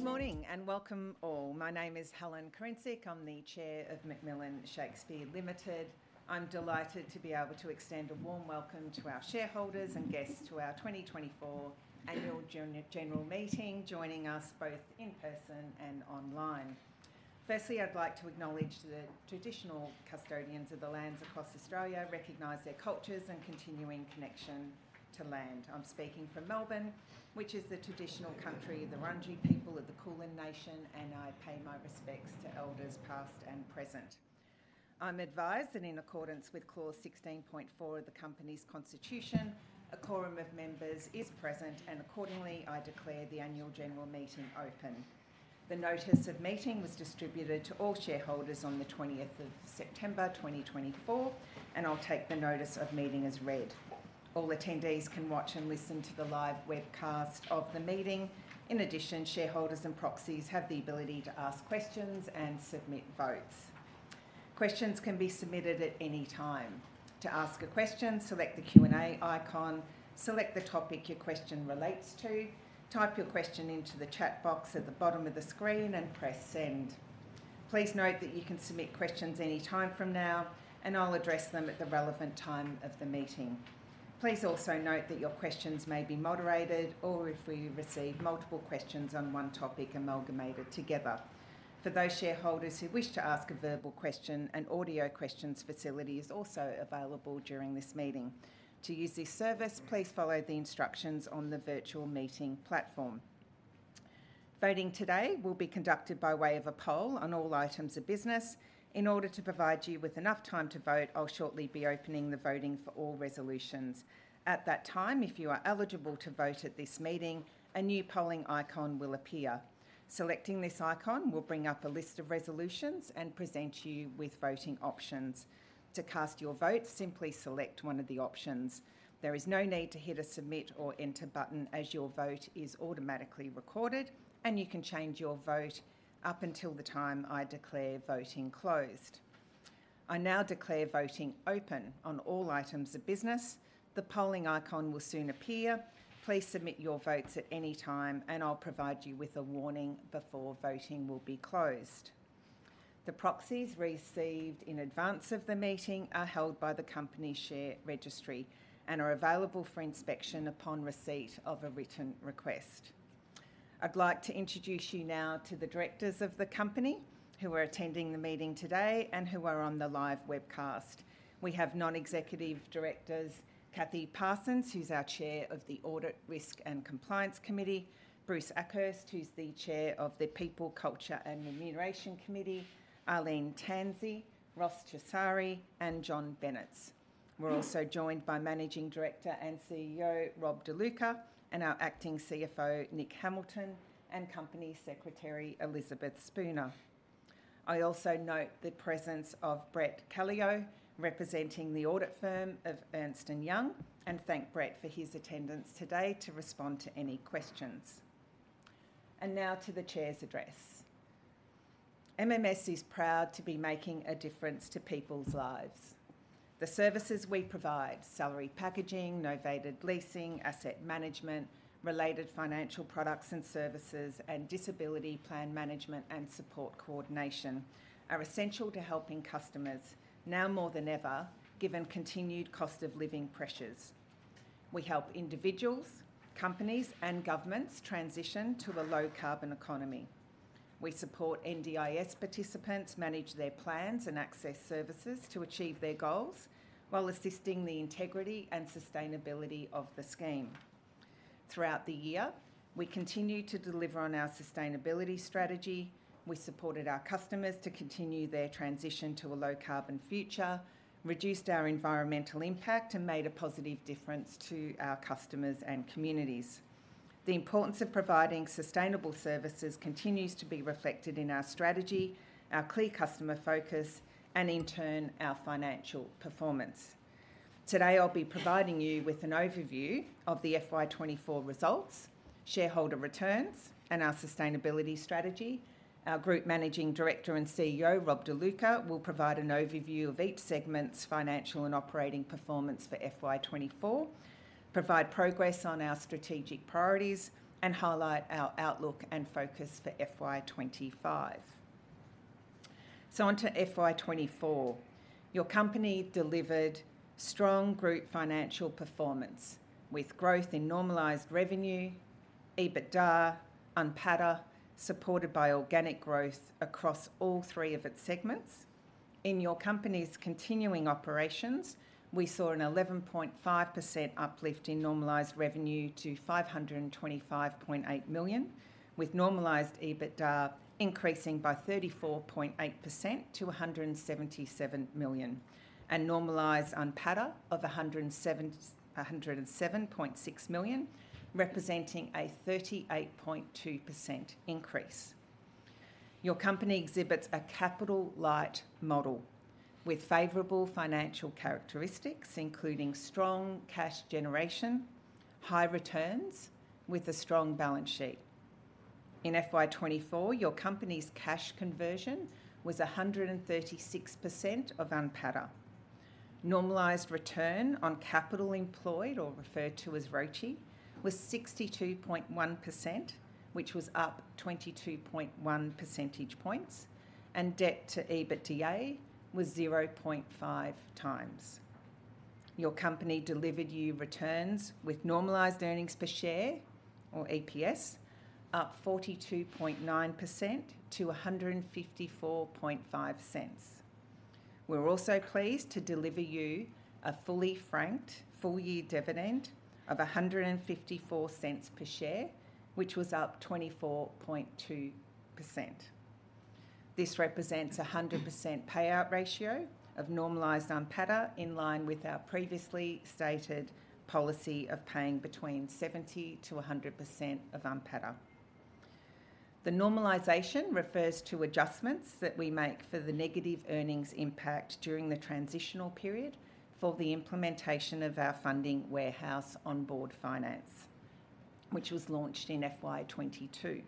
Good morning, and welcome all. My name is Helen Kurincic. I'm the Chair of McMillan Shakespeare Limited. I'm delighted to be able to extend a warm welcome to our shareholders and guests to our 2024 Annual General Meeting, joining us both in person and online. Firstly, I'd like to acknowledge the traditional custodians of the lands across Australia, recognize their cultures and continuing connection to land. I'm speaking from Melbourne, which is the traditional country of the Wurundjeri people of the Kulin Nation, and I pay my respects to elders, past and present. I'm advised that in accordance with Clause 16.4 of the company's constitution, a quorum of members is present, and accordingly, I declare the Annual General Meeting open. The notice of meeting was distributed to all shareholders on the 20th September, 2024, and I'll take the notice of meeting as read. All attendees can watch and listen to the live webcast of the meeting. In addition, shareholders and proxies have the ability to ask questions and submit votes. Questions can be submitted at any time. To ask a question, select the Q&A icon, select the topic your question relates to, type your question into the chat box at the bottom of the screen, and press Send. Please note that you can submit questions any time from now, and I'll address them at the relevant time of the meeting. Please also note that your questions may be moderated, or if we receive multiple questions on one topic, amalgamated together. For those shareholders who wish to ask a verbal question, an audio questions facility is also available during this meeting. To use this service, please follow the instructions on the virtual meeting platform. Voting today will be conducted by way of a poll on all items of business. In order to provide you with enough time to vote, I'll shortly be opening the voting for all resolutions. At that time, if you are eligible to vote at this meeting, a new polling icon will appear. Selecting this icon will bring up a list of resolutions and present you with voting options. To cast your vote, simply select one of the options. There is no need to hit a Submit or Enter button, as your vote is automatically recorded, and you can change your vote up until the time I declare voting closed. I now declare voting open on all items of business. The polling icon will soon appear. Please submit your votes at any time, and I'll provide you with a warning before voting will be closed. The proxies received in advance of the meeting are held by the company share registry and are available for inspection upon receipt of a written request. I'd like to introduce you now to the directors of the company who are attending the meeting today and who are on the live webcast. We have non-executive directors, Kathy Parsons, who's our Chair of the Audit, Risk and Compliance Committee, Bruce Akhurst, who's the Chair of the People, Culture and Remuneration Committee, Arlene Tansey, Ross Chessari, and John Bennetts. We're also joined by Managing Director and CEO, Rob De Luca, and our Acting CFO, Nick Hamilton, and Company Secretary, Elizabeth Spooner. I also note the presence of Brett Kallio, representing the audit firm of Ernst & Young, and thank Brett for his attendance today to respond to any questions. Now to the Chair's address. MMS is proud to be making a difference to people's lives. The services we provide, salary packaging, novated leasing, asset management, related financial products and services, and disability plan management and support coordination, are essential to helping customers, now more than ever, given continued cost of living pressures. We help individuals, companies, and governments transition to a low-carbon economy. We support NDIS participants manage their plans and access services to achieve their goals, while assisting the integrity and sustainability of the scheme. Throughout the year, we continued to deliver on our sustainability strategy. We supported our customers to continue their transition to a low-carbon future, reduced our environmental impact, and made a positive difference to our customers and communities. The importance of providing sustainable services continues to be reflected in our strategy, our clear customer focus, and in turn, our financial performance. Today, I'll be providing you with an overview of the FY24 results, shareholder returns, and our sustainability strategy. Our Group Managing Director and CEO, Rob De Luca, will provide an overview of each segment's financial and operating performance for FY24, provide progress on our strategic priorities, and highlight our outlook and focus for FY25. So on to FY24. Your company delivered strong group financial performance, with growth in normalized revenue, EBITDA, NPATA, supported by organic growth across all three of its segments. In your company's continuing operations, we saw an 11.5% uplift in normalized revenue to 525.8 million, with normalized EBITDA increasing by 34.8% to 177 million, and normalized NPATA of 107.6 million, representing a 38.2% increase. Your company exhibits a capital-light model with favorable financial characteristics, including strong cash generation, high returns, with a strong balance sheet. In FY 2024, your company's cash conversion was 136% of NPATA. Normalized return on capital employed, or referred to as ROCE, was 62.1%, which was up 22.1 percentage points, and debt to EBITDA was 0.5x. Your company delivered you returns with normalized earnings per share, or EPS, up 42.9% to 1.545. We're also pleased to deliver you a fully franked full-year dividend of 1.54 per share, which was up 24.2%. This represents a 100% payout ratio of normalized NPATA, in line with our previously stated policy of paying between 70% to 100% of NPATA. The normalization refers to adjustments that we make for the negative earnings impact during the transitional period for the implementation of our funding warehouse, Onboard Finance, which was launched in FY 2022.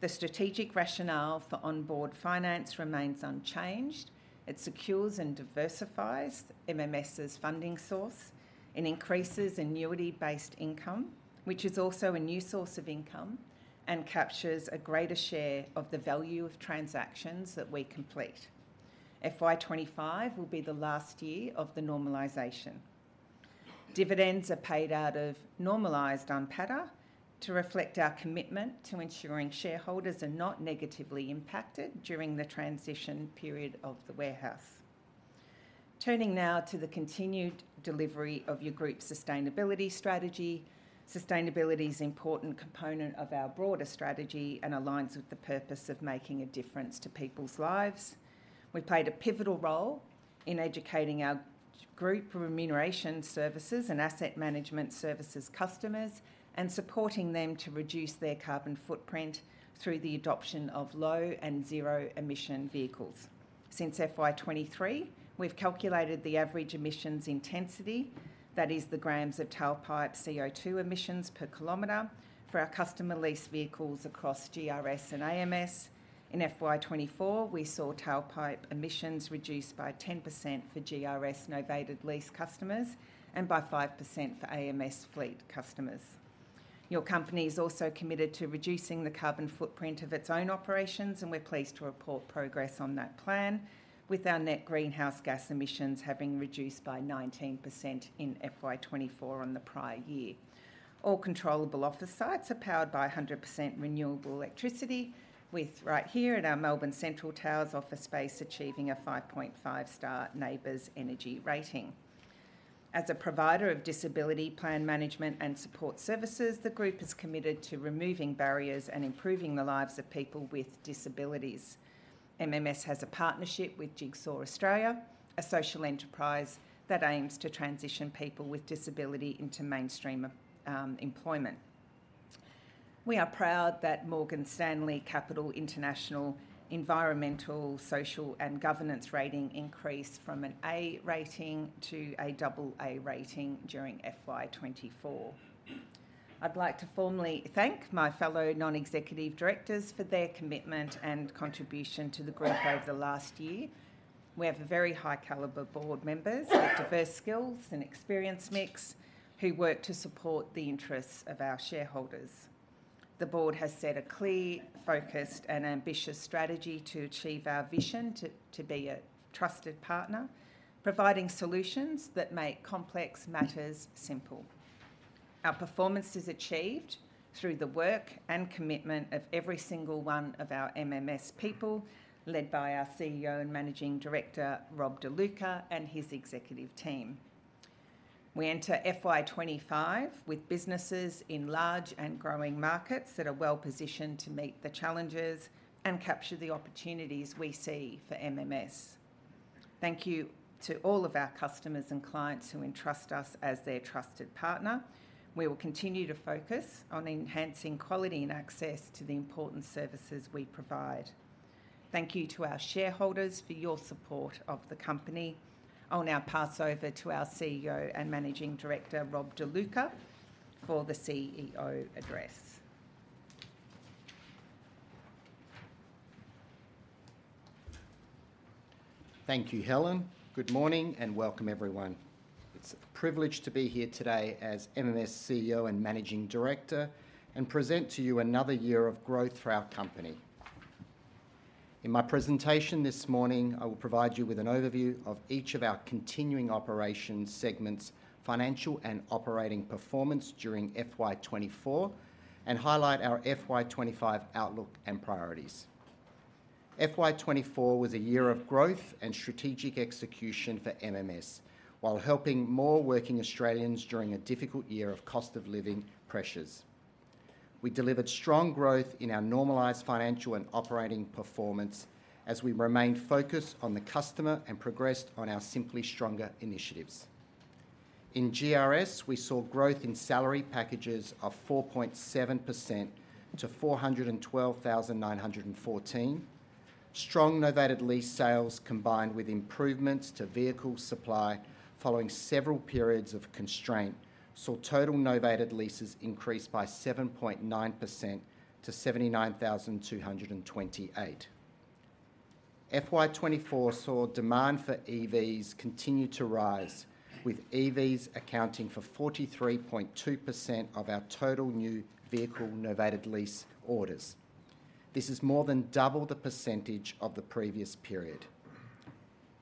The strategic rationale for Onboard Finance remains unchanged. It secures and diversifies MMS's funding source and increases annuity-based income, which is also a new source of income, and captures a greater share of the value of transactions that we complete. FY 2025 will be the last year of the normalization. Dividends are paid out of normalized NPATA to reflect our commitment to ensuring shareholders are not negatively impacted during the transition period of the warehouse. Turning now to the continued delivery of your group's sustainability strategy. Sustainability is an important component of our broader strategy and aligns with the purpose of making a difference to people's lives. We played a pivotal role in educating our Group Remuneration Services and Asset Management Services customers, and supporting them to reduce their carbon footprint through the adoption of low and zero-emission vehicles. Since FY 2023, we've calculated the average emissions intensity, that is the grams of tailpipe CO2 emissions per kilometer, for our customer leased vehicles across GRS and AMS. In FY 2024, we saw tailpipe emissions reduced by 10% for GRS novated lease customers and by 5% for AMS fleet customers. Your company is also committed to reducing the carbon footprint of its own operations, and we're pleased to report progress on that plan, with our net greenhouse gas emissions having reduced by 19% in FY 2024 on the prior year. All controllable office sites are powered by 100% renewable electricity, with right here at our Melbourne Central Tower office space achieving a 5.5-star NABERS energy rating. As a provider of disability plan management and support services, the group is committed to removing barriers and improving the lives of people with disabilities. MMS has a partnership with Jigsaw Australia, a social enterprise that aims to transition people with disability into mainstream employment. We are proud that Morgan Stanley Capital International Environmental, Social, and Governance rating increased from an A rating to a double A rating during FY 2024. I'd like to formally thank my fellow non-executive directors for their commitment and contribution to the group over the last year. We have a very high caliber board members with diverse skills and experience mix, who work to support the interests of our shareholders. The board has set a clear, focused, and ambitious strategy to achieve our vision to be a trusted partner, providing solutions that make complex matters simple. Our performance is achieved through the work and commitment of every single one of our MMS people, led by our CEO and Managing Director, Rob De Luca, and his executive team. We enter FY 2025 with businesses in large and growing markets that are well-positioned to meet the challenges and capture the opportunities we see for MMS. Thank you to all of our customers and clients who entrust us as their trusted partner. We will continue to focus on enhancing quality and access to the important services we provide. Thank you to our shareholders for your support of the company. I will now pass over to our CEO and Managing Director, Rob De Luca, for the CEO address. Thank you, Helen. Good morning, and welcome, everyone. It's a privilege to be here today as MMS CEO and Managing Director, and present to you another year of growth for our company. In my presentation this morning, I will provide you with an overview of each of our continuing operations segments, financial and operating performance during FY 2024, and highlight our FY 2025 outlook and priorities. FY 2024 was a year of growth and strategic execution for MMS, while helping more working Australians during a difficult year of cost of living pressures. We delivered strong growth in our normalised financial and operating performance as we remained focused on the customer and progressed on our Simply Stronger initiatives. In GRS, we saw growth in salary packages of 4.7% to 412,914. Strong novated lease sales, combined with improvements to vehicle supply following several periods of constraint, saw total novated leases increase by 7.9% to 79,228. FY 2024 saw demand for EVs continue to rise, with EVs accounting for 43.2% of our total new vehicle novated lease orders. This is more than double the percentage of the previous period.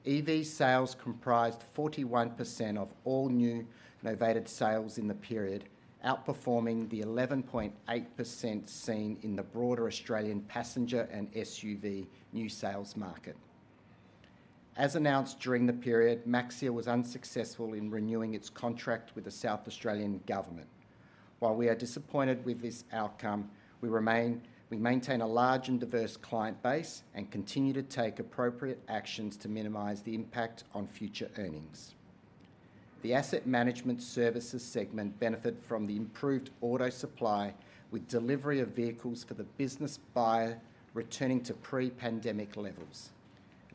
EV sales comprised 41% of all new novated sales in the period, outperforming the 11.8% seen in the broader Australian passenger and SUV new sales market. As announced during the period, Maxxia was unsuccessful in renewing its contract with the South Australian government. While we are disappointed with this outcome, we remain. We maintain a large and diverse client base and continue to take appropriate actions to minimize the impact on future earnings. The Asset Management Services segment benefited from the improved auto supply, with delivery of vehicles for the business buyer returning to pre-pandemic levels.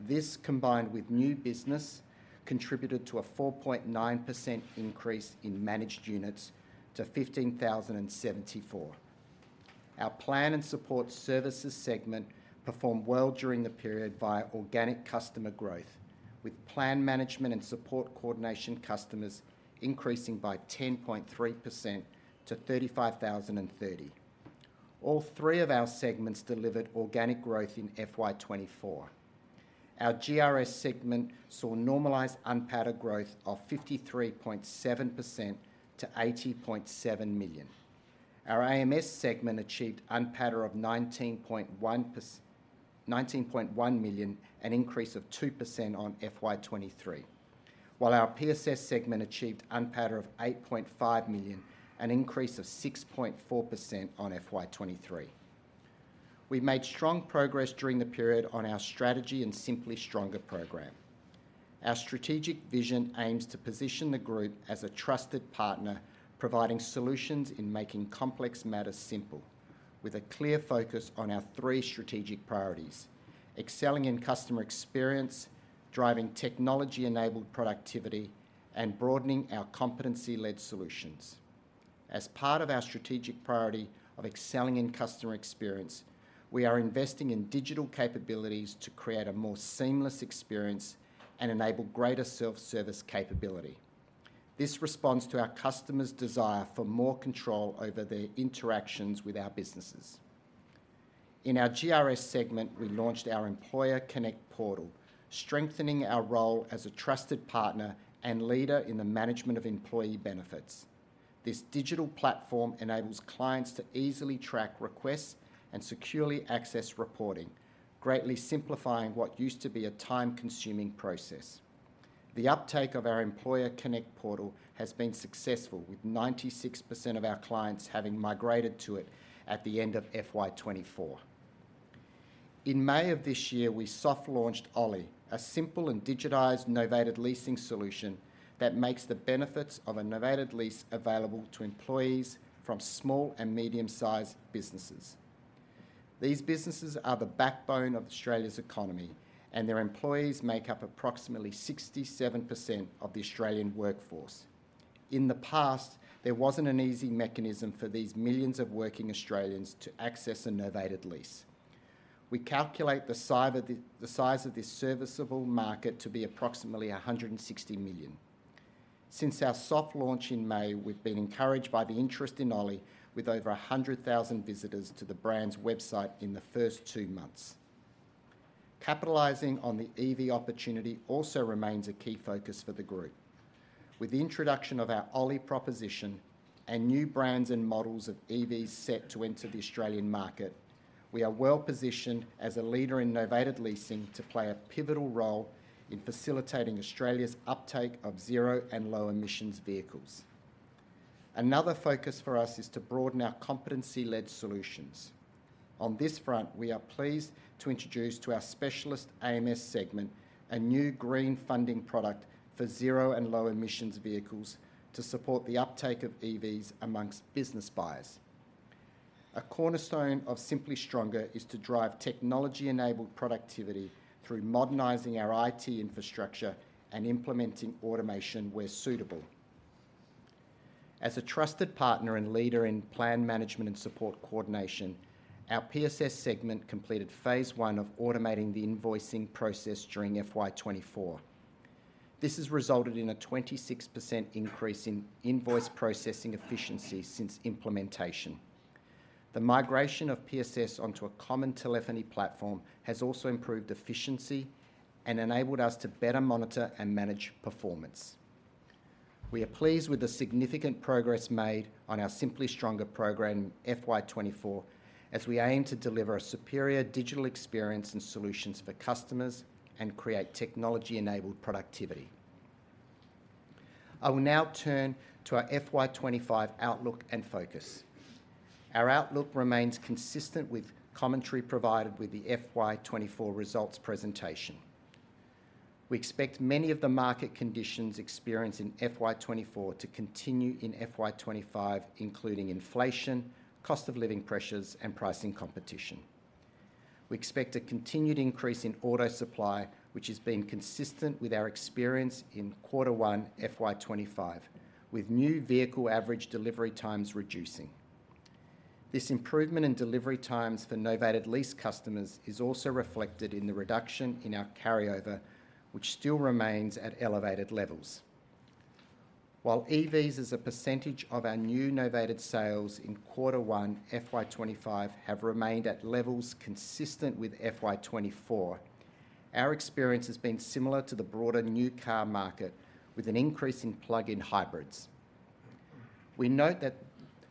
This, combined with new business, contributed to a 4.9% increase in managed units to 15,074. Our Plan and Support Services segment performed well during the period via organic customer growth, with plan management and support coordination customers increasing by 10.3% to 35,030. All three of our segments delivered organic growth in FY 2024. Our GRS segment saw normalized NPATA growth of 53.7% to 80.7 million. Our AMS segment achieved NPATA of 19.1%-- 19.1 million, an increase of 2% on FY 2023. While our PSS segment achieved NPATA of 8.5 million, an increase of 6.4% on FY 2023. We made strong progress during the period on our strategy and Simply Stronger program. Our strategic vision aims to position the group as a trusted partner, providing solutions in making complex matters simple, with a clear focus on our three strategic priorities: excelling in customer experience, driving technology-enabled productivity, and broadening our competency-led solutions. As part of our strategic priority of excelling in customer experience, we are investing in digital capabilities to create a more seamless experience and enable greater self-service capability. This responds to our customers' desire for more control over their interactions with our businesses. In our GRS segment, we launched our Employer Connect Portal, strengthening our role as a trusted partner and leader in the management of employee benefits. This digital platform enables clients to easily track requests and securely access reporting, greatly simplifying what used to be a time-consuming process. The uptake of our Employer Connect Portal has been successful, with 96% of our clients having migrated to it at the end of FY 2024. In May of this year, we soft-launched Oly, a simple and digitized novated leasing solution that makes the benefits of a novated lease available to employees from small and medium-sized businesses. These businesses are the backbone of Australia's economy, and their employees make up approximately 67% of the Australian workforce. In the past, there wasn't an easy mechanism for these millions of working Australians to access a novated lease. We calculate the size of this serviceable market to be approximately 160 million. Since our soft launch in May, we've been encouraged by the interest in Oly, with over 100,000 visitors to the brand's website in the first two months. Capitalizing on the EV opportunity also remains a key focus for the group. With the introduction of our Oly proposition and new brands and models of EVs set to enter the Australian market, we are well-positioned as a leader in novated leasing to play a pivotal role in facilitating Australia's uptake of zero- and low-emissions vehicles. Another focus for us is to broaden our competency-led solutions. On this front, we are pleased to introduce to our specialist AMS segment a new green funding product for zero- and low-emissions vehicles to support the uptake of EVs among business buyers. A cornerstone of Simply Stronger is to drive technology-enabled productivity through modernizing our IT infrastructure and implementing automation where suitable. As a trusted partner and leader in plan management and support coordination, our PSS segment completed phase one of automating the invoicing process during FY 2024. This has resulted in a 26% increase in invoice processing efficiency since implementation. The migration of PSS onto a common telephony platform has also improved efficiency and enabled us to better monitor and manage performance. We are pleased with the significant progress made on our Simply Stronger program in FY 2024, as we aim to deliver a superior digital experience and solutions for customers and create technology-enabled productivity. I will now turn to our FY 2025 outlook and focus. Our outlook remains consistent with commentary provided with the FY 2024 results presentation. We expect many of the market conditions experienced in FY 2024 to continue in FY 2025, including inflation, cost of living pressures, and pricing competition. We expect a continued increase in auto supply, which has been consistent with our experience in quarter one, FY 2025, with new vehicle average delivery times reducing. This improvement in delivery times for novated lease customers is also reflected in the reduction in our carryover, which still remains at elevated levels. While EVs as a percentage of our new novated sales in quarter one, FY 2025, have remained at levels consistent with FY 2024, our experience has been similar to the broader new car market, with an increase in plug-in hybrids. We note that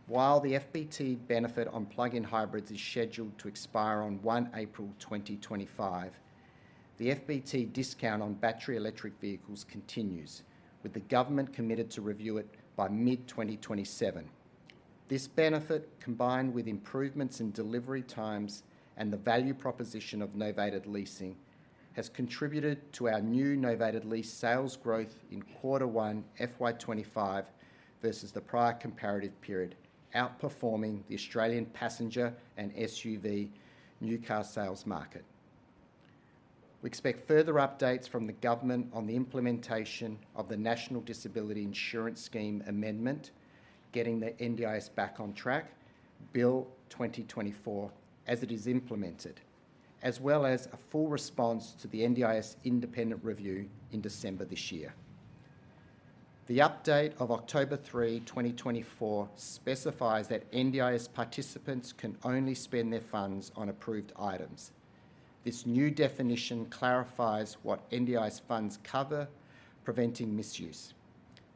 while the FBT benefit on plug-in hybrids is scheduled to expire on 1 April 2025, the FBT discount on battery electric vehicles continues, with the government committed to review it by mid-2027. This benefit, combined with improvements in delivery times and the value proposition of novated leasing, has contributed to our new novated lease sales growth in quarter one, FY 2025, versus the prior comparative period, outperforming the Australian passenger and SUV new car sales market. We expect further updates from the government on the implementation of theNational Disability Insurance Scheme Amendment (Getting the NDIS Back on Track) Bill 2024 as it is implemented, as well as a full response to the NDIS independent review in December this year. The update of October 3, 2024, specifies that NDIS participants can only spend their funds on approved items. This new definition clarifies what NDIS funds cover, preventing misuse.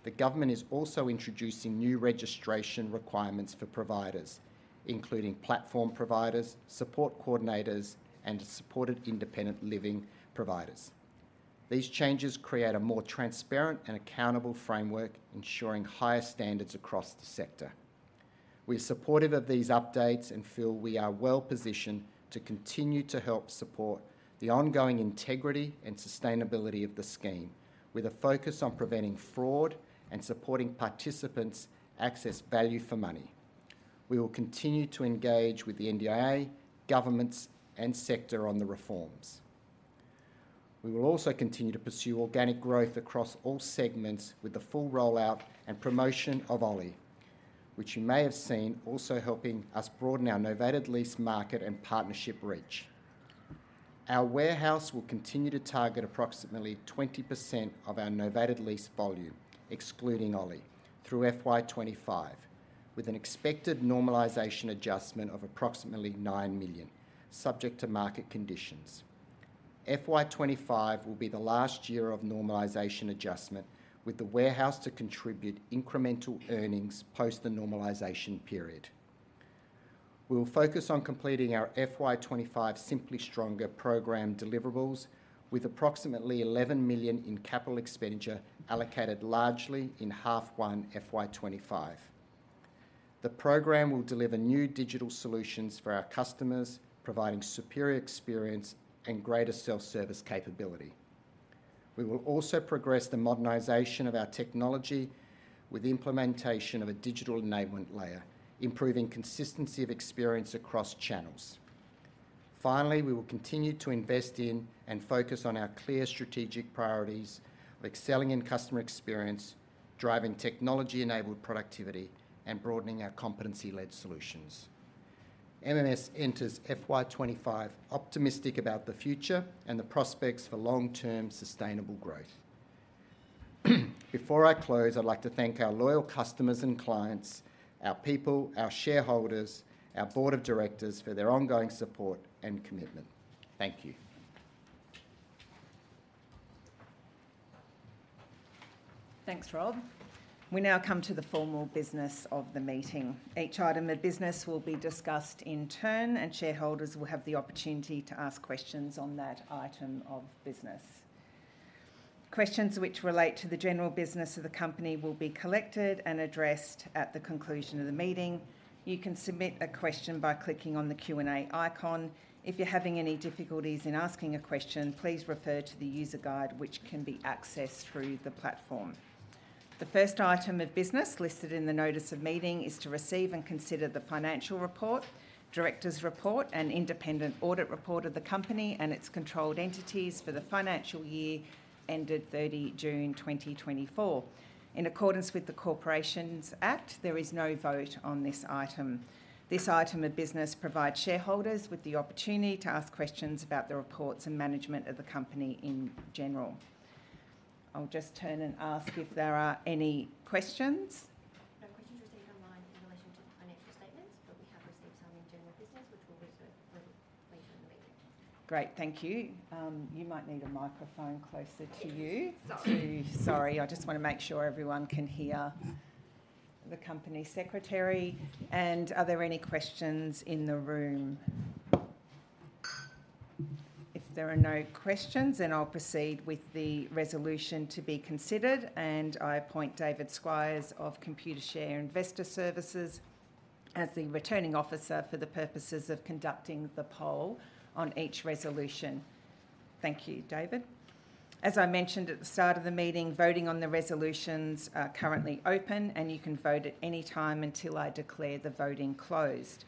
The government is also introducing new registration requirements for providers, including platform providers, support coordinators, and supported independent living providers. These changes create a more transparent and accountable framework, ensuring higher standards across the sector. We're supportive of these updates and feel we are well-positioned to continue to help support the ongoing integrity and sustainability of the scheme, with a focus on preventing fraud and supporting participants access value for money. We will continue to engage with the NDIA, governments, and sector on the reforms. We will also continue to pursue organic growth across all segments with the full rollout and promotion of Oly, which you may have seen also helping us broaden our novated lease market and partnership reach. Our warehouse will continue to target approximately 20% of our novated lease volume, excluding Oly, through FY 2025, with an expected normalization adjustment of approximately 9 million, subject to market conditions. FY 2025 will be the last year of normalization adjustment, with the warehouse to contribute incremental earnings post the normalization period. We will focus on completing our FY 2025 Simply Stronger program deliverables with approximately 11 million in capital expenditure allocated largely in half one, FY 2025. The program will deliver new digital solutions for our customers, providing superior experience and greater self-service capability. We will also progress the modernization of our technology with implementation of a digital enablement layer, improving consistency of experience across channels. Finally, we will continue to invest in and focus on our clear strategic priorities, like excelling in customer experience, driving technology-enabled productivity, and broadening our competency-led solutions. MMS enters FY 2025 optimistic about the future and the prospects for long-term sustainable growth. Before I close, I'd like to thank our loyal customers and clients, our people, our shareholders, our board of directors for their ongoing support and commitment. Thank you. Thanks, Rob. We now come to the formal business of the meeting. Each item of business will be discussed in turn, and shareholders will have the opportunity to ask questions on that item of business. Questions which relate to the general business of the company will be collected and addressed at the conclusion of the meeting. You can submit a question by clicking on the Q&A icon. If you're having any difficulties in asking a question, please refer to the user guide, which can be accessed through the platform. The first item of business listed in the notice of meeting is to receive and consider the financial report, directors' report, and independent audit report of the company and its controlled entities for the financial year ended 30 June, 2024. In accordance with the Corporations Act, there is no vote on this item. This item of business provides shareholders with the opportunity to ask questions about the reports and management of the company in general. I'll just turn and ask if there are any questions? No questions received online in relation to the financial statements, but we have received some in general business, which we'll reserve later in the meeting. Great. Thank you. You might need a microphone closer to you. Sorry. Sorry, I just wanna make sure everyone can hear the company secretary, and are there any questions in the room? If there are no questions, then I'll proceed with the resolution to be considered, and I appoint David Squires of Computershare Investor Services as the Returning Officer for the purposes of conducting the poll on each resolution. Thank you, David. As I mentioned at the start of the meeting, voting on the resolutions are currently open, and you can vote at any time until I declare the voting closed.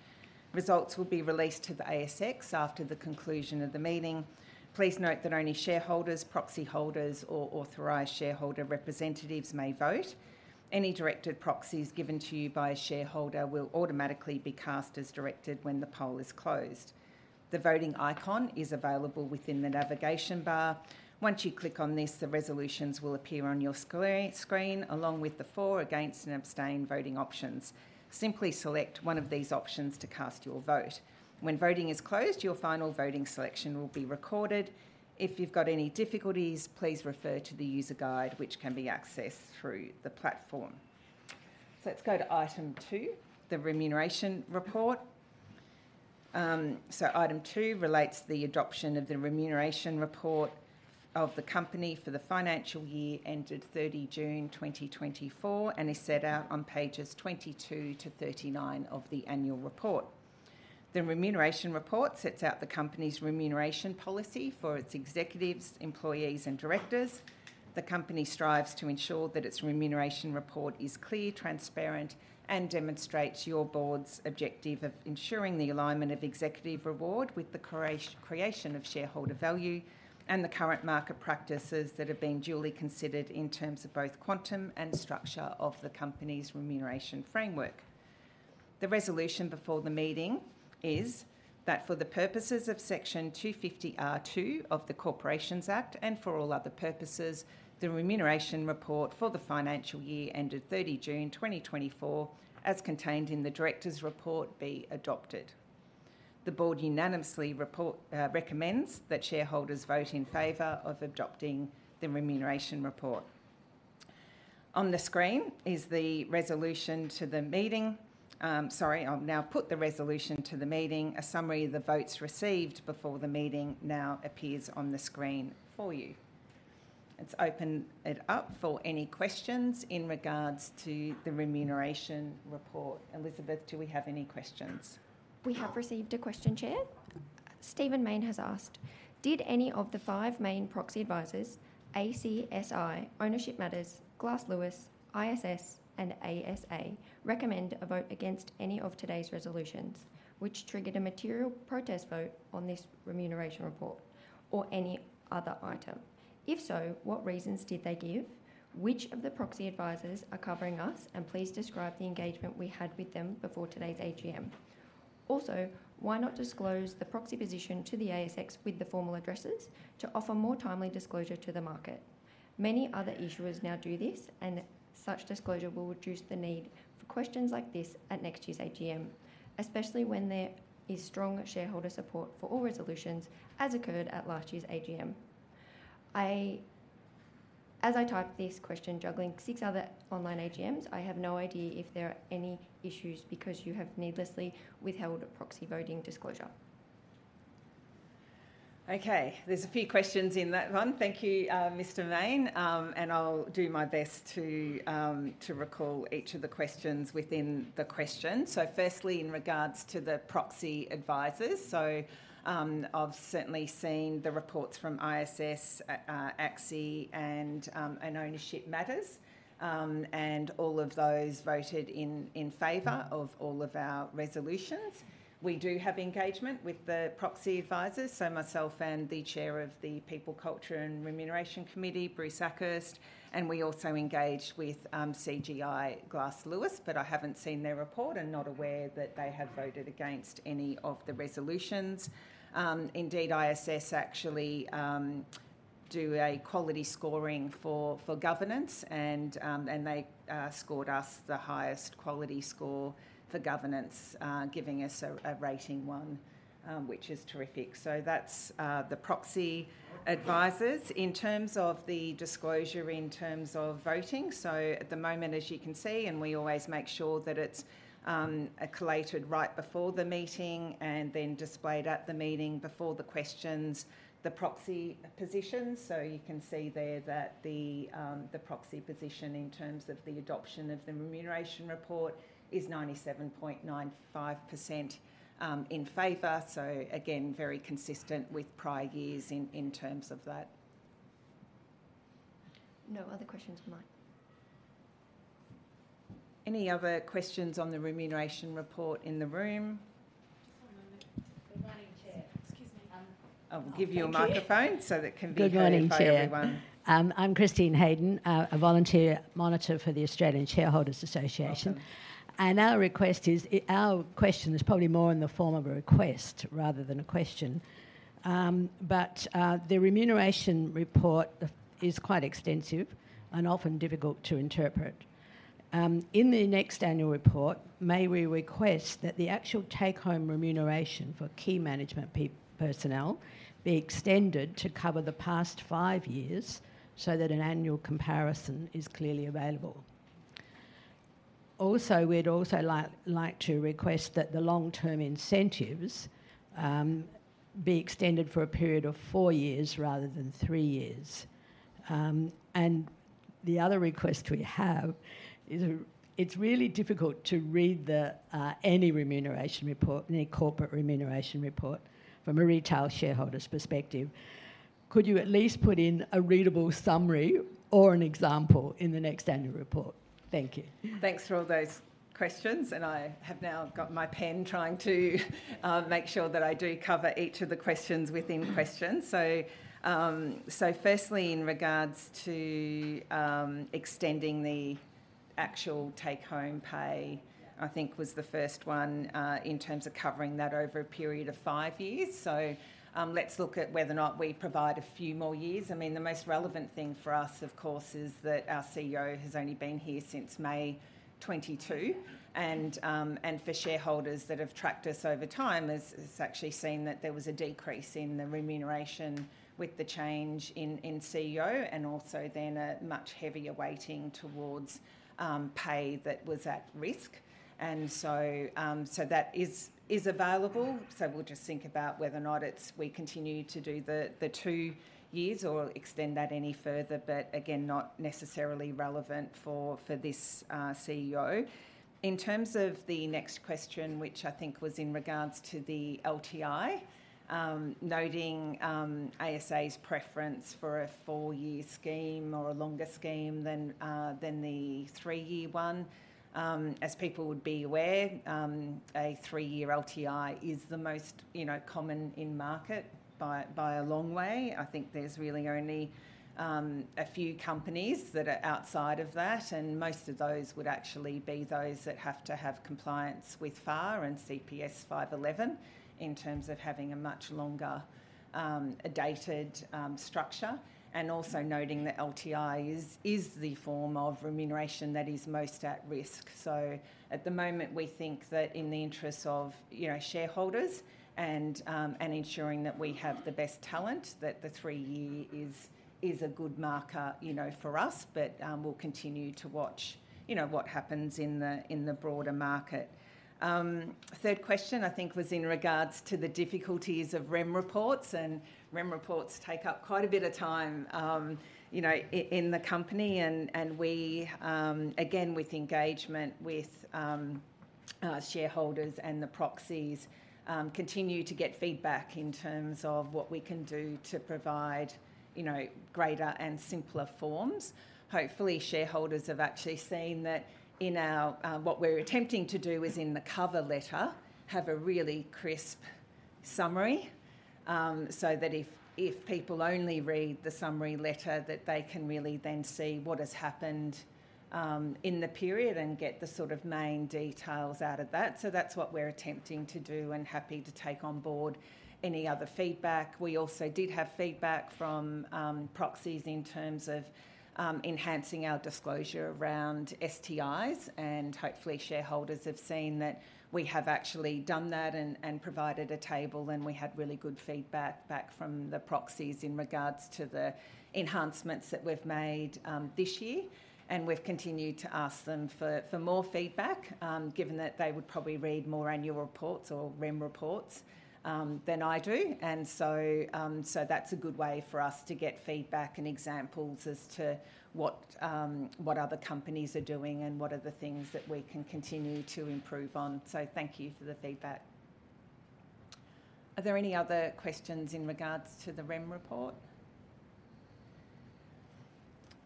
Results will be released to the ASX after the conclusion of the meeting. Please note that only shareholders, proxy holders, or authorized shareholder representatives may vote. Any directed proxies given to you by a shareholder will automatically be cast as directed when the poll is closed. The voting icon is available within the navigation bar. Once you click on this, the resolutions will appear on your screen, along with the for, against, and abstain voting options. Simply select one of these options to cast your vote. When voting is closed, your final voting selection will be recorded. If you've got any difficulties, please refer to the user guide, which can be accessed through the platform. Let's go to item two, the remuneration report. Item two relates to the adoption of the remuneration report of the company for the financial year ended 30 June 2024, and is set out on pages 22-39 of the annual report. The remuneration report sets out the company's remuneration policy for its executives, employees, and directors. The company strives to ensure that its remuneration report is clear, transparent, and demonstrates your board's objective of ensuring the alignment of executive reward with the creation of shareholder value, and the current market practices that have been duly considered in terms of both quantum and structure of the company's remuneration framework. The resolution before the meeting is that for the purposes of Section 250R of the Corporations Act, and for all other purposes, the remuneration report for the financial year ended 30 June 2024, as contained in the directors' report, be adopted. The board unanimously recommends that shareholders vote in favor of adopting the remuneration report. On the screen is the resolution to the meeting. Sorry, I've now put the resolution to the meeting. A summary of the votes received before the meeting now appears on the screen for you. Let's open it up for any questions in regards to the remuneration report. Elizabeth, do we have any questions? We have received a question, Chair. Stephen Mayne has asked, "Did any of the five main proxy advisors, ACSI, Ownership Matters, Glass Lewis, ISS, and ASA, recommend a vote against any of today's resolutions, which triggered a material protest vote on this remuneration report or any other item? If so, what reasons did they give? Which of the proxy advisors are covering us, and please describe the engagement we had with them before today's AGM. Also, why not disclose the proxy position to the ASX with the formal addresses to offer more timely disclosure to the market? Many other issuers now do this, and such disclosure will reduce the need for questions like this at next year's AGM, especially when there is strong shareholder support for all resolutions, as occurred at last year's AGM. I... As I type this question, juggling six other online AGMs, I have no idea if there are any issues, because you have needlessly withheld a proxy voting disclosure. Okay, there's a few questions in that one. Thank you, Mr. Mayne. And I'll do my best to recall each of the questions within the question. Firstly, in regards to the proxy advisors, I've certainly seen the reports from ISS, ACSI, and Ownership Matters, and all of those voted in favor of all of our resolutions. We do have engagement with the proxy advisors, so myself and the Chair of the People, Culture, and Remuneration Committee, Bruce Akhurst, and we also engaged with CGI Glass Lewis, but I haven't seen their report, and not aware that they have voted against any of the resolutions. Indeed, ISS actually do a quality scoring for governance and they scored us the highest quality score for governance, giving us a rating one, which is terrific. So that's the proxy advisors. In terms of the disclosure in terms of voting, so at the moment, as you can see, and we always make sure that it's collated right before the meeting, and then displayed at the meeting before the questions, the proxy position. So you can see there that the proxy position in terms of the adoption of the remuneration report is 97.95%, in favor, so again, very consistent with prior years in terms of that. No other questions, Mike. Any other questions on the remuneration report in the room? Good morning, Chair. Excuse me, I'll give you a microphone so that can be heard by everyone. Good morning, Chair. I'm Christine Haydon, a volunteer monitor for the Australian Shareholders Association. Welcome. And our request is, our question is probably more in the form of a request rather than a question. But the remuneration report is quite extensive and often difficult to interpret. In the next annual report, may we request that the actual take-home remuneration for key management personnel be extended to cover the past five years, so that an annual comparison is clearly available? Also, we'd also like, like to request that the long-term incentives be extended for a period of four years, rather than three years. And the other request we have is, it's really difficult to read the any remuneration report, any corporate remuneration report, from a retail shareholder's perspective. Could you at least put in a readable summary or an example in the next annual report? Thank you. Thanks for all those questions, and I have now got my pen, trying to make sure that I do cover each of the questions within questions. So firstly, in regards to extending the actual take-home pay, I think was the first one, in terms of covering that over a period of five years. So let's look at whether or not we provide a few more years. I mean, the most relevant thing for us, of course, is that our CEO has only been here since May 2022, and for shareholders that have tracked us over time, has actually seen that there was a decrease in the remuneration with the change in CEO, and also then a much heavier weighting towards pay that was at risk. And so that is available. So we'll just think about whether or not it's we continue to do the two years or extend that any further, but again, not necessarily relevant for this CEO. In terms of the next question, which I think was in regards to the LTI, noting ASA's preference for a four-year scheme or a longer scheme than the three-year one. As people would be aware, a three-year LTI is the most, you know, common in market by a long way. I think there's really only a few companies that are outside of that, and most of those would actually be those that have to have compliance with FAR and CPS 511, in terms of having a much longer dated structure, and also noting that LTI is the form of remuneration that is most at risk. So at the moment, we think that in the interests of, you know, shareholders and ensuring that we have the best talent, that the three-year is a good marker, you know, for us. But, we'll continue to watch, you know, what happens in the broader market. Third question, I think, was in regards to the difficulties of REM reports, and REM reports take up quite a bit of time, you know, in the company and we, again, with engagement with shareholders and the proxies, continue to get feedback in terms of what we can do to provide, you know, greater and simpler forms. Hopefully, shareholders have actually seen that in our... What we're attempting to do is, in the cover letter, have a really crisp summary, so that if people only read the summary letter, that they can really then see what has happened, in the period and get the sort of main details out of that. So that's what we're attempting to do, and happy to take on board any other feedback. We also did have feedback from proxies in terms of enhancing our disclosure around STIs, and hopefully shareholders have seen that we have actually done that and provided a table, and we had really good feedback back from the proxies in regards to the enhancements that we've made this year. And we've continued to ask them for more feedback, given that they would probably read more annual reports or REM reports than I do. And so, so that's a good way for us to get feedback and examples as to what, what other companies are doing and what are the things that we can continue to improve on. So, thank you for the feedback. Are there any other questions in regards to the REM report?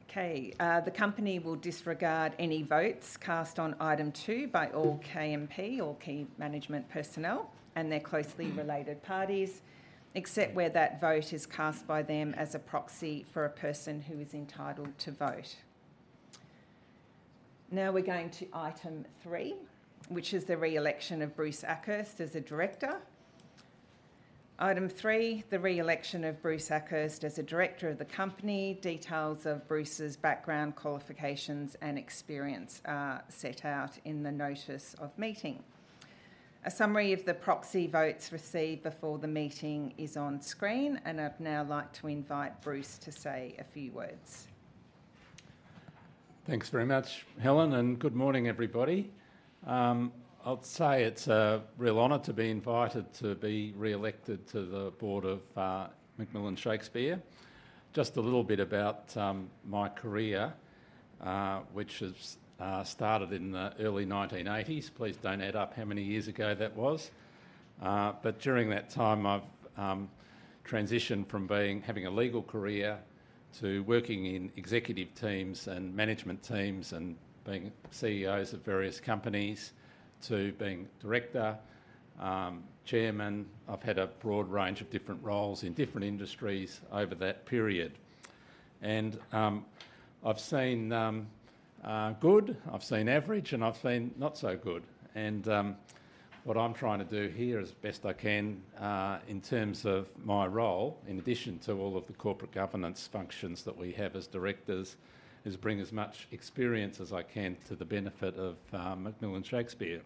Okay, the company will disregard any votes cast on item two by all KMP, or key management personnel, and their closely related parties, except where that vote is cast by them as a proxy for a person who is entitled to vote. Now, we're going to item three, which is the re-election of Bruce Akhurst as a director. Item three, the re-election of Bruce Akhurst as a director of the company. Details of Bruce's background, qualifications, and experience are set out in the notice of meeting. A summary of the proxy votes received before the meeting is on screen, and I'd now like to invite Bruce to say a few words. Thanks very much, Helen, and good morning, everybody. I'll say it's a real honor to be invited to be re-elected to the board of McMillan Shakespeare. Just a little bit about my career, which has started in the early 1980s. Please don't add up how many years ago that was. But during that time, I've transitioned from being, having a legal career to working in executive teams and management teams, and being CEOs of various companies, to being director, chairman. I've had a broad range of different roles in different industries over that period. I've seen good, average, and not so good, and what I'm trying to do here as best I can, in terms of my role, in addition to all of the corporate governance functions that we have as directors, is bring as much experience as I can to the benefit of McMillan Shakespeare.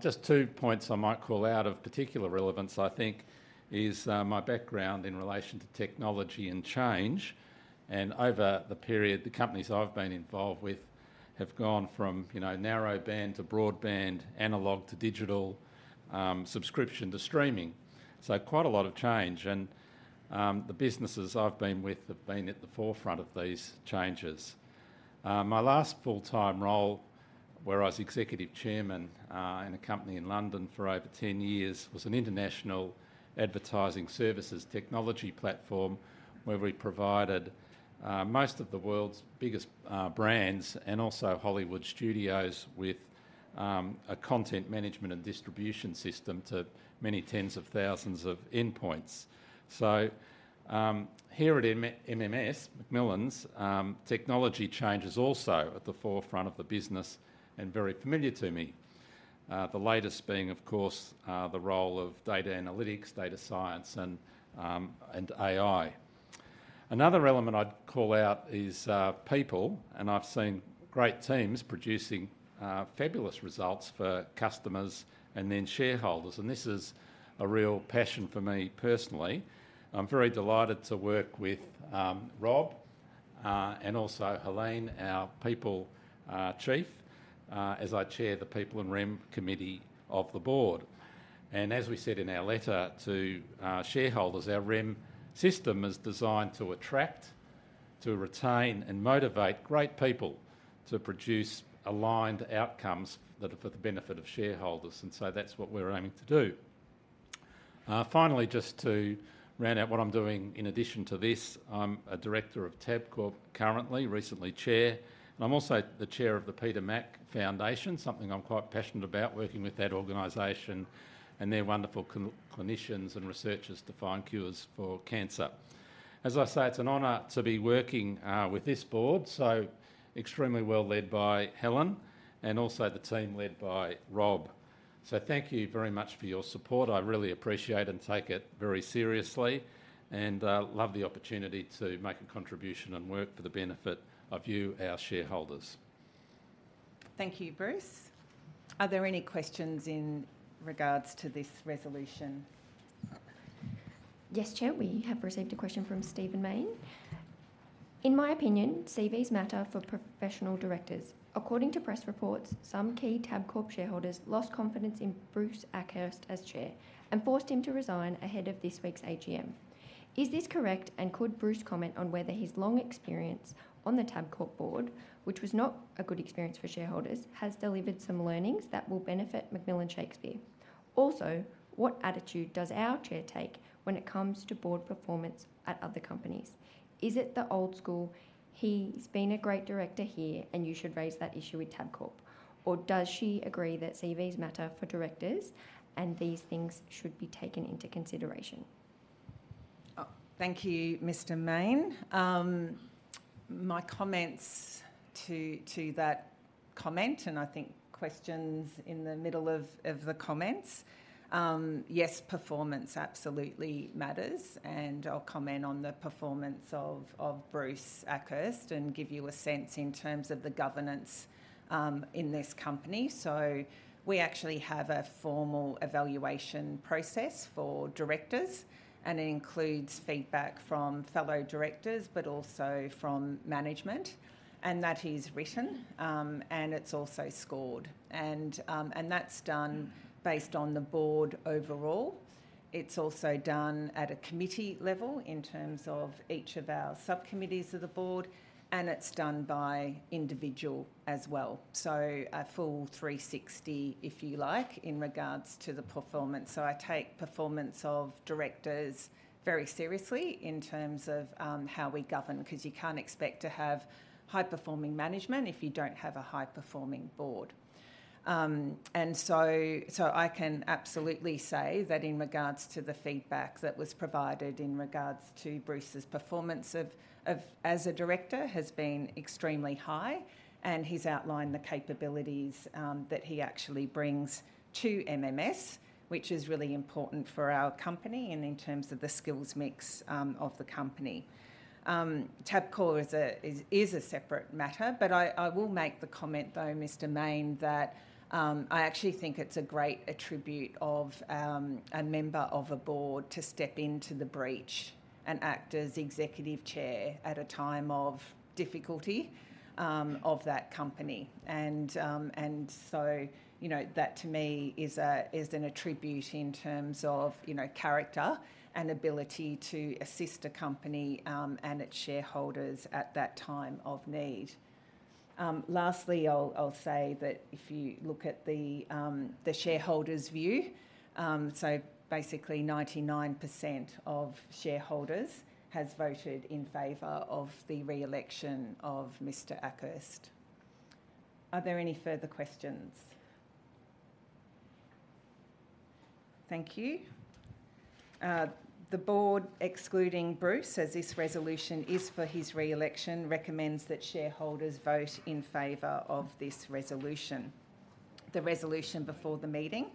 Just two points I might call out of particular relevance, I think, is my background in relation to technology and change, and over the period, the companies I've been involved with have gone from, you know, narrowband to broadband, analog to digital, subscription to streaming. So quite a lot of change, and the businesses I've been with have been at the forefront of these changes. My last full-time role, where I was executive chairman in a company in London for over 10 years, was an international advertising services technology platform, where we provided most of the world's biggest brands and also Hollywood studios with a content management and distribution system to many tens of thousands of endpoints. So, here at MMS, McMillan's, technology change is also at the forefront of the business and very familiar to me. The latest being, of course, the role of data analytics, data science, and AI. Another element I'd call out is people, and I've seen great teams producing fabulous results for customers and then shareholders, and this is a real passion for me personally. I'm very delighted to work with Rob and also Helen, our people chief, as I chair the People and Rem Committee of the board. And as we said in our letter to shareholders, our REM system is designed to attract, to retain, and motivate great people to produce aligned outcomes that are for the benefit of shareholders, and so that's what we're aiming to do. Finally, just to round out what I'm doing in addition to this, I'm a director of Tabcorp currently, recently chair, and I'm also the chair of the Peter Mac Foundation, something I'm quite passionate about, working with that organization and their wonderful clinicians and researchers to find cures for cancer. As I say, it's an honor to be working with this board, so extremely well led by Helen and also the team led by Rob. So, thank you very much for your support. I really appreciate and take it very seriously, and love the opportunity to make a contribution and work for the benefit of you, our shareholders. Thank you, Bruce. Are there any questions in regards to this resolution? Yes, Chair, we have received a question from Stephen Mayne. "In my opinion, CVs matter for professional directors. According to press reports, some key Tabcorp shareholders lost confidence in Bruce Akhurst as chair and forced him to resign ahead of this week's AGM. Is this correct, and could Bruce comment on whether his long experience on the Tabcorp board, which was not a good experience for shareholders, has delivered some learnings that will benefit McMillan Shakespeare? Also, what attitude does our chair take when it comes to board performance at other companies? Is it the old school, 'He's been a great director here, and you should raise that issue with Tabcorp,' or does she agree that CVs matter for directors and these things should be taken into consideration? Thank you, Mr. Mayne. My comments to that comment, and I think questions in the middle of the comments, yes, performance absolutely matters, and I'll comment on the performance of Bruce Akhurst and give you a sense in terms of the governance in this company, so we actually have a formal evaluation process for directors, and it includes feedback from fellow directors, but also from management, and that is written, and it's also scored, and that's done based on the board overall. It's also done at a committee level in terms of each of our subcommittees of the board, and it's done by individual as well, so a full 360, if you like, in regards to the performance. So I take performance of directors very seriously in terms of how we govern, 'cause you can't expect to have high-performing management if you don't have a high-performing board, and so I can absolutely say that in regards to the feedback that was provided in regards to Bruce's performance as a director has been extremely high, and he's outlined the capabilities that he actually brings to MMS, which is really important for our company and in terms of the skills mix of the company. Tabcorp is a separate matter, but I will make the comment, though, Mr. Mayne, that I actually think it's a great attribute of a member of a board to step into the breach and act as executive chair at a time of difficulty of that company. So, you know, that to me is an attribute in terms of, you know, character and ability to assist a company and its shareholders at that time of need. Lastly, I'll say that if you look at the shareholders' view, so basically 99% of shareholders has voted in favor of the re-election of Mr. Akhurst. Are there any further questions? Thank you. The board, excluding Bruce, as this resolution is for his re-election, recommends that shareholders vote in favor of this resolution. The resolution before the meeting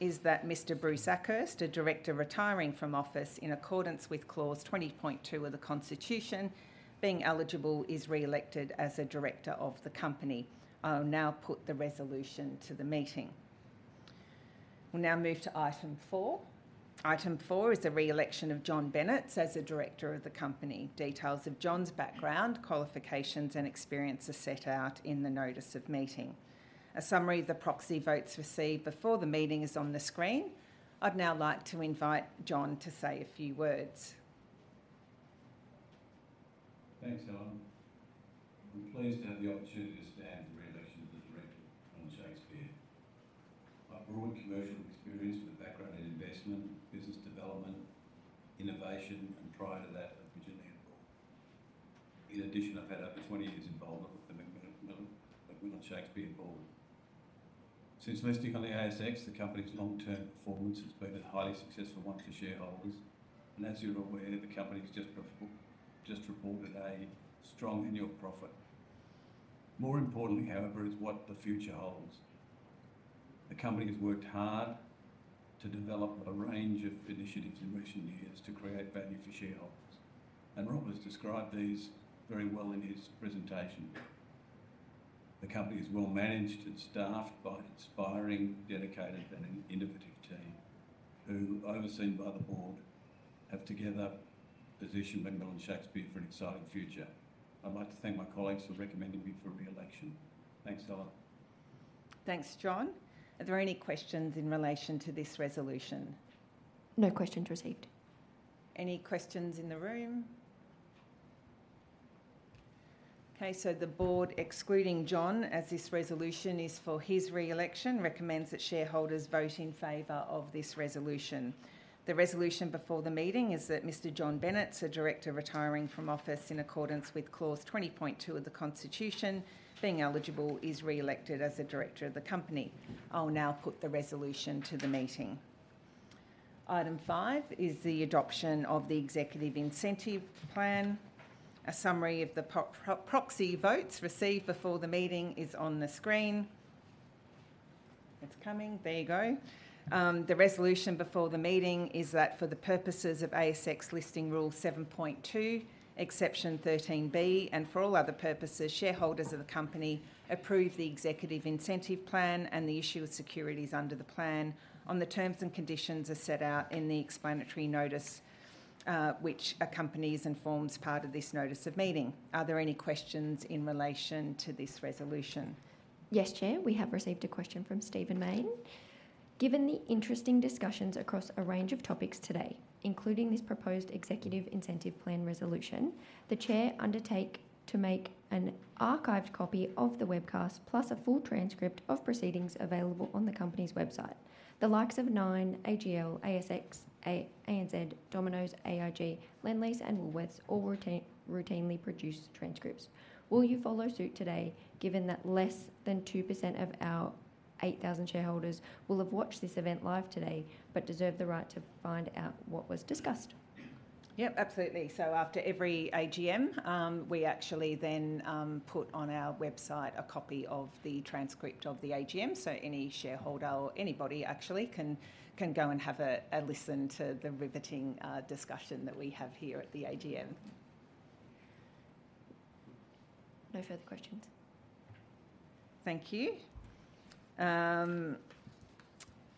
is that Mr. Bruce Akhurst, a director retiring from office in accordance with Clause 20.2 of the Constitution, being eligible, is re-elected as a director of the company. I will now put the resolution to the meeting. We'll now move to item four. Item four is the re-election of John Bennetts as a director of the company. Details of John's background, qualifications, and experience are set out in the notice of meeting. A summary of the proxy votes received before the meeting is on the screen. I'd now like to invite John to say a few words. Thanks, Helen. I'm pleased to have the opportunity to stand for re-election as a director of McMillan Shakespeare. I've broad commercial experience with a background in investment, business development, innovation, and prior to that, engineering. In addition, I've had over 20 years involvement with the McMillan Shakespeare Board. Since listing on the ASX, the company's long-term performance has been a highly successful one for shareholders, and as you're aware, the company has just reported a strong annual profit. More importantly, however, is what the future holds. The company has worked hard to develop a range of initiatives in recent years to create value for shareholders, and Rob has described these very well in his presentation. The company is well-managed and staffed by an inspiring, dedicated, and an innovative team, who, overseen by the board, have together positioned McMillan Shakespeare for an exciting future. I'd like to thank my colleagues for recommending me for re-election. Thanks, Helen. Thanks, John. Are there any questions in relation to this resolution? No questions received. Any questions in the room? Okay, so the board, excluding John, as this resolution is for his re-election, recommends that shareholders vote in favor of this resolution. The resolution before the meeting is that Mr. John Bennetts, a director retiring from office in accordance with Clause 20.2 of the Constitution, being eligible, is re-elected as a director of the company. I'll now put the resolution to the meeting. Item five is the adoption of theExecutive Incentive Plan. A summary of the proxy votes received before the meeting is on the screen. It's coming. There you go. The resolution before the meeting is that for the purposes of ASX Listing Rule 7.2, Exception 13(b), and for all other purposes, shareholders of the company approve the Executive Incentive Plan, and the issue of securities under the plan on the terms and conditions as set out in the explanatory notice, which accompanies and forms part of this notice of meeting. Are there any questions in relation to this resolution? Yes, Chair, we have received a question from Stephen Mayne: "Given the interesting discussions across a range of topics today, including this proposed Executive Incentive Plan resolution, the Chair undertake to make an archived copy of the webcast, plus a full transcript of proceedings available on the company's website. The likes of Nine, AGL, ASX, ANZ, Domino's, IAG, Lendlease, and Woolworths all routinely produce transcripts. Will you follow suit today, given that less than 2% of our 8,000 shareholders will have watched this event live today, but deserve the right to find out what was discussed? Yep, absolutely. So after every AGM, we actually then put on our website a copy of the transcript of the AGM, so any shareholder, or anybody actually, can go and have a listen to the riveting discussion that we have here at the AGM. No further questions. Thank you.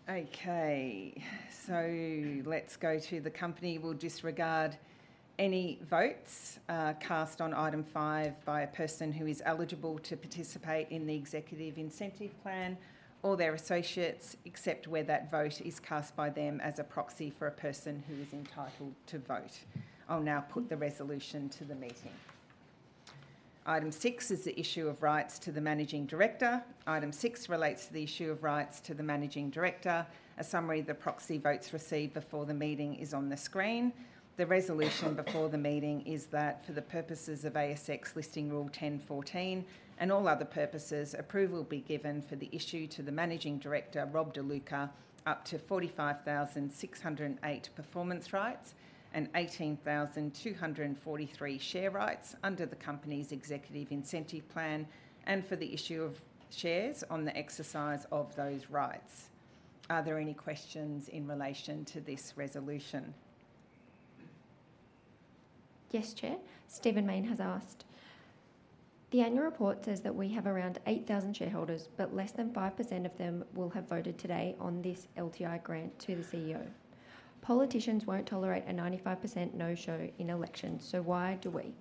Okay, so let's go to the company will disregard any votes cast on Item 5 by a person who is eligible to participate in the Executive Incentive Plan or their associates, except where that vote is cast by them as a proxy for a person who is entitled to vote. I'll now put the resolution to the meeting. Item 6 is the issue of rights to the Managing Director. Item 6 relates to the issue of rights to the Managing Director. A summary of the proxy votes received before the meeting is on the screen. The resolution before the meeting is that for the purposes of ASX Listing Rule 10.14, and all other purposes, approval be given for the issue to the Managing Director, Rob De Luca, up to 45,608 performance rights and 18,243 share rights under the company's Executive Incentive Plan, and for the issue of shares on the exercise of those rights. Are there any questions in relation to this resolution? Yes, Chair. Stephen Mayne has asked: "The annual report says that we have around eight thousand shareholders, but less than 5% of them will have voted today on this LTI grant to the CEO. Politicians won't tolerate a 95% no-show in elections, so why do we?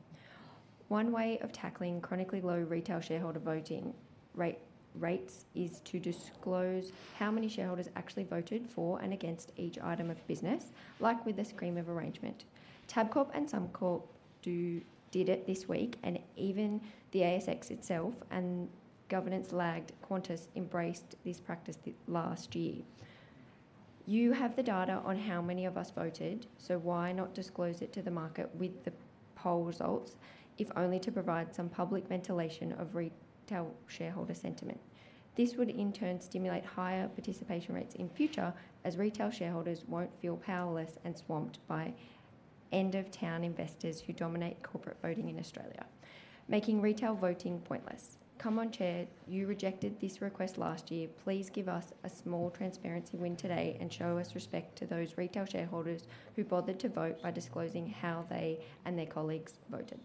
One way of tackling chronically low retail shareholder voting rate, rates is to disclose how many shareholders actually voted for and against each item of business, like with the scheme of arrangement. Tabcorp and Suncorp do, did it this week, and even the ASX itself and governance-lagged Qantas embraced this practice last year. You have the data on how many of us voted, so why not disclose it to the market with the poll results, if only to provide some public ventilation of retail shareholder sentiment? This would, in turn, stimulate higher participation rates in future, as retail shareholders won't feel powerless and swamped by end-of-town investors who dominate corporate voting in Australia, making retail voting pointless. Come on, Chair, you rejected this request last year. Please give us a small transparency win today and show us respect to those retail shareholders who bothered to vote by disclosing how they and their colleagues voted.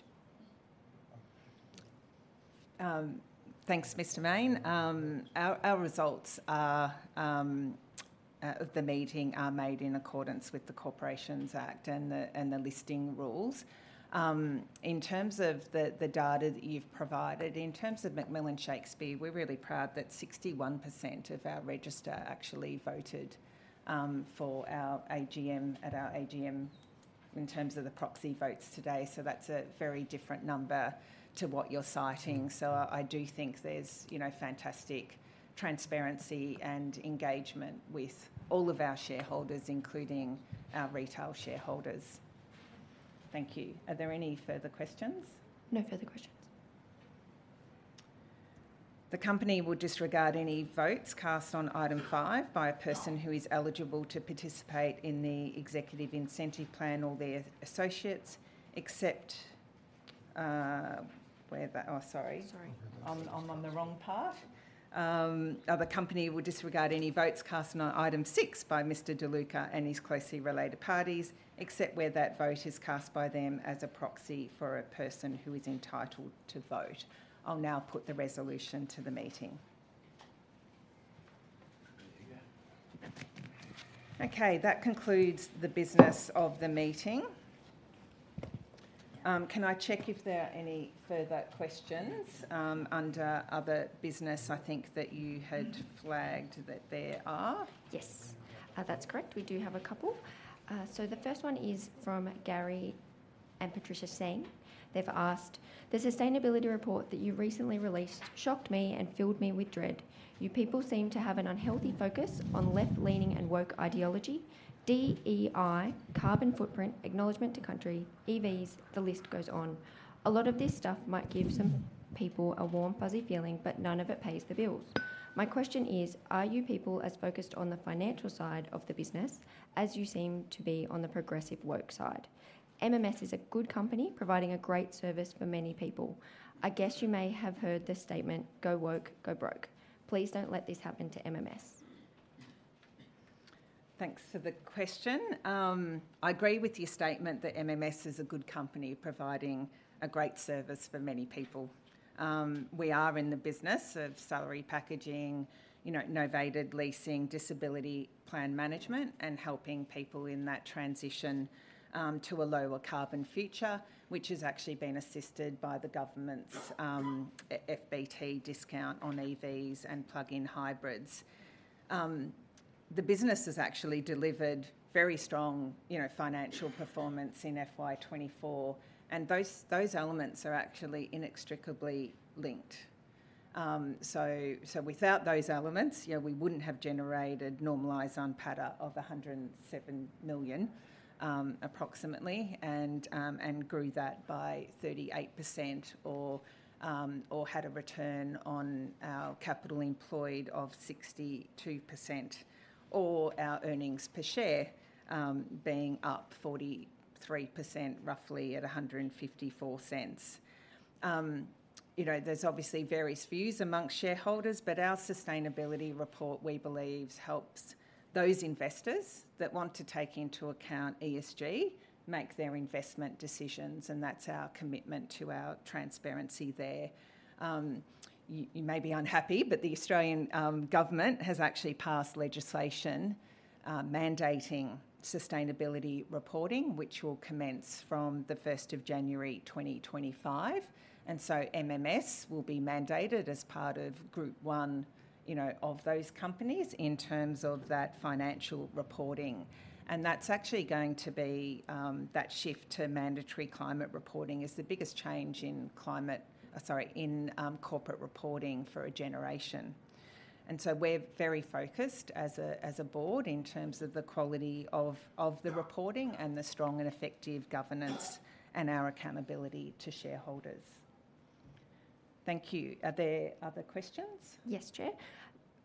Thanks, Mr. Mayne. Our results of the meeting are made in accordance with the Corporations Act and the Listing Rules. In terms of the data that you've provided, in terms of McMillan Shakespeare, we're really proud that 61% of our register actually voted for our AGM, at our AGM in terms of the proxy votes today. So that's a very different number to what you're citing. So I do think there's, you know, fantastic transparency and engagement with all of our shareholders, including our retail shareholders. Thank you. Are there any further questions? No further questions. The company will disregard any votes cast on Item 5 by a person who is eligible to participate in the Executive Incentive Plan or their associates, except. Sorry Sorry. I'm on the wrong part. The company will disregard any votes cast on Item 6 by Mr. De Luca and his closely related parties, except where that vote is cast by them as a proxy for a person who is entitled to vote. I'll now put the resolution to the meeting. Okay, that concludes the business of the meeting. Can I check if there are any further questions under other business? I think that you had flagged that there are. Yes, that's correct. We do have a couple. So the first one is from Gary and Patricia Singh. They've asked: "The sustainability report that you recently released shocked me and filled me with dread. You people seem to have an unhealthy focus on left-leaning and woke ideology, DEI, carbon footprint, Acknowledgement of Country, EVs, the list goes on. A lot of this stuff might give some people a warm, fuzzy feeling, but none of it pays the bills. My question is, are you people as focused on the financial side of the business as you seem to be on the progressive woke side? MMS is a good company, providing a great service for many people. I guess you may have heard the statement, 'Go woke, go broke.' Please don't let this happen to MMS. Thanks for the question. I agree with your statement that MMS is a good company, providing a great service for many people. We are in the business of salary packaging, you know, novated leasing, disability plan management, and helping people in that transition to a lower carbon future, which has actually been assisted by the government's FBT discount on EVs and plug-in hybrids. The business has actually delivered very strong, you know, financial performance in FY 2024, and those elements are actually inextricably linked. So without those elements, yeah, we wouldn't have generated normalized NPATA of 107 million, approximately, and grew that by 38% or had a return on our capital employed of 62%, or our earnings per share being up 43%, roughly at 1.54. You know, there's obviously various views amongst shareholders, but our sustainability report, we believe, helps those investors that want to take into account ESG make their investment decisions, and that's our commitment to our transparency there. You may be unhappy, but the Australian government has actually passed legislation mandating sustainability reporting, which will commence from the 1st of January 2025, and so MMS will be mandated as part of Group 1, you know, of those companies in terms of that financial reporting, and that's actually going to be that shift to mandatory climate reporting is the biggest change in corporate reporting for a generation, and so we're very focused as a board in terms of the quality of the reporting and the strong and effective governance and our accountability to shareholders. Thank you. Are there other questions? Yes, Chair.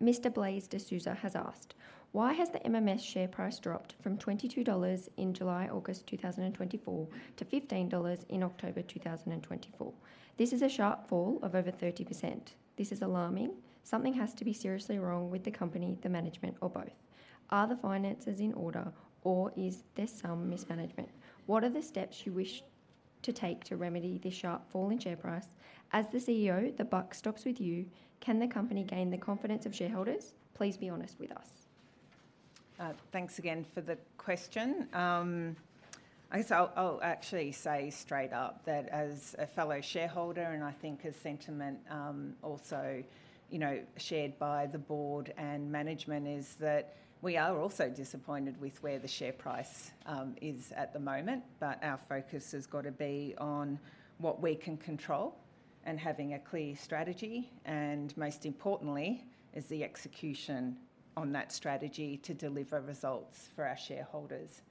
Mr. Blaise D'Souza has asked: "Why has the MMS share price dropped from 22 dollars in July, August 2024, to 15 dollars in October 2024? This is a sharp fall of over 30%. This is alarming. Something has to be seriously wrong with the company, the management, or both. Are the finances in order, or is there some mismanagement? What are the steps you wish to take to remedy this sharp fall in share price? As the CEO, the buck stops with you. Can the company gain the confidence of shareholders? Please be honest with us. Thanks again for the question. I guess I'll actually say straight up that as a fellow shareholder, and I think a sentiment also, you know, shared by the board and management, is that we are also disappointed with where the share price is at the moment, but our focus has got to be on what we can control and having a clear strategy, and most importantly, is the execution on that strategy to deliver results for our shareholders.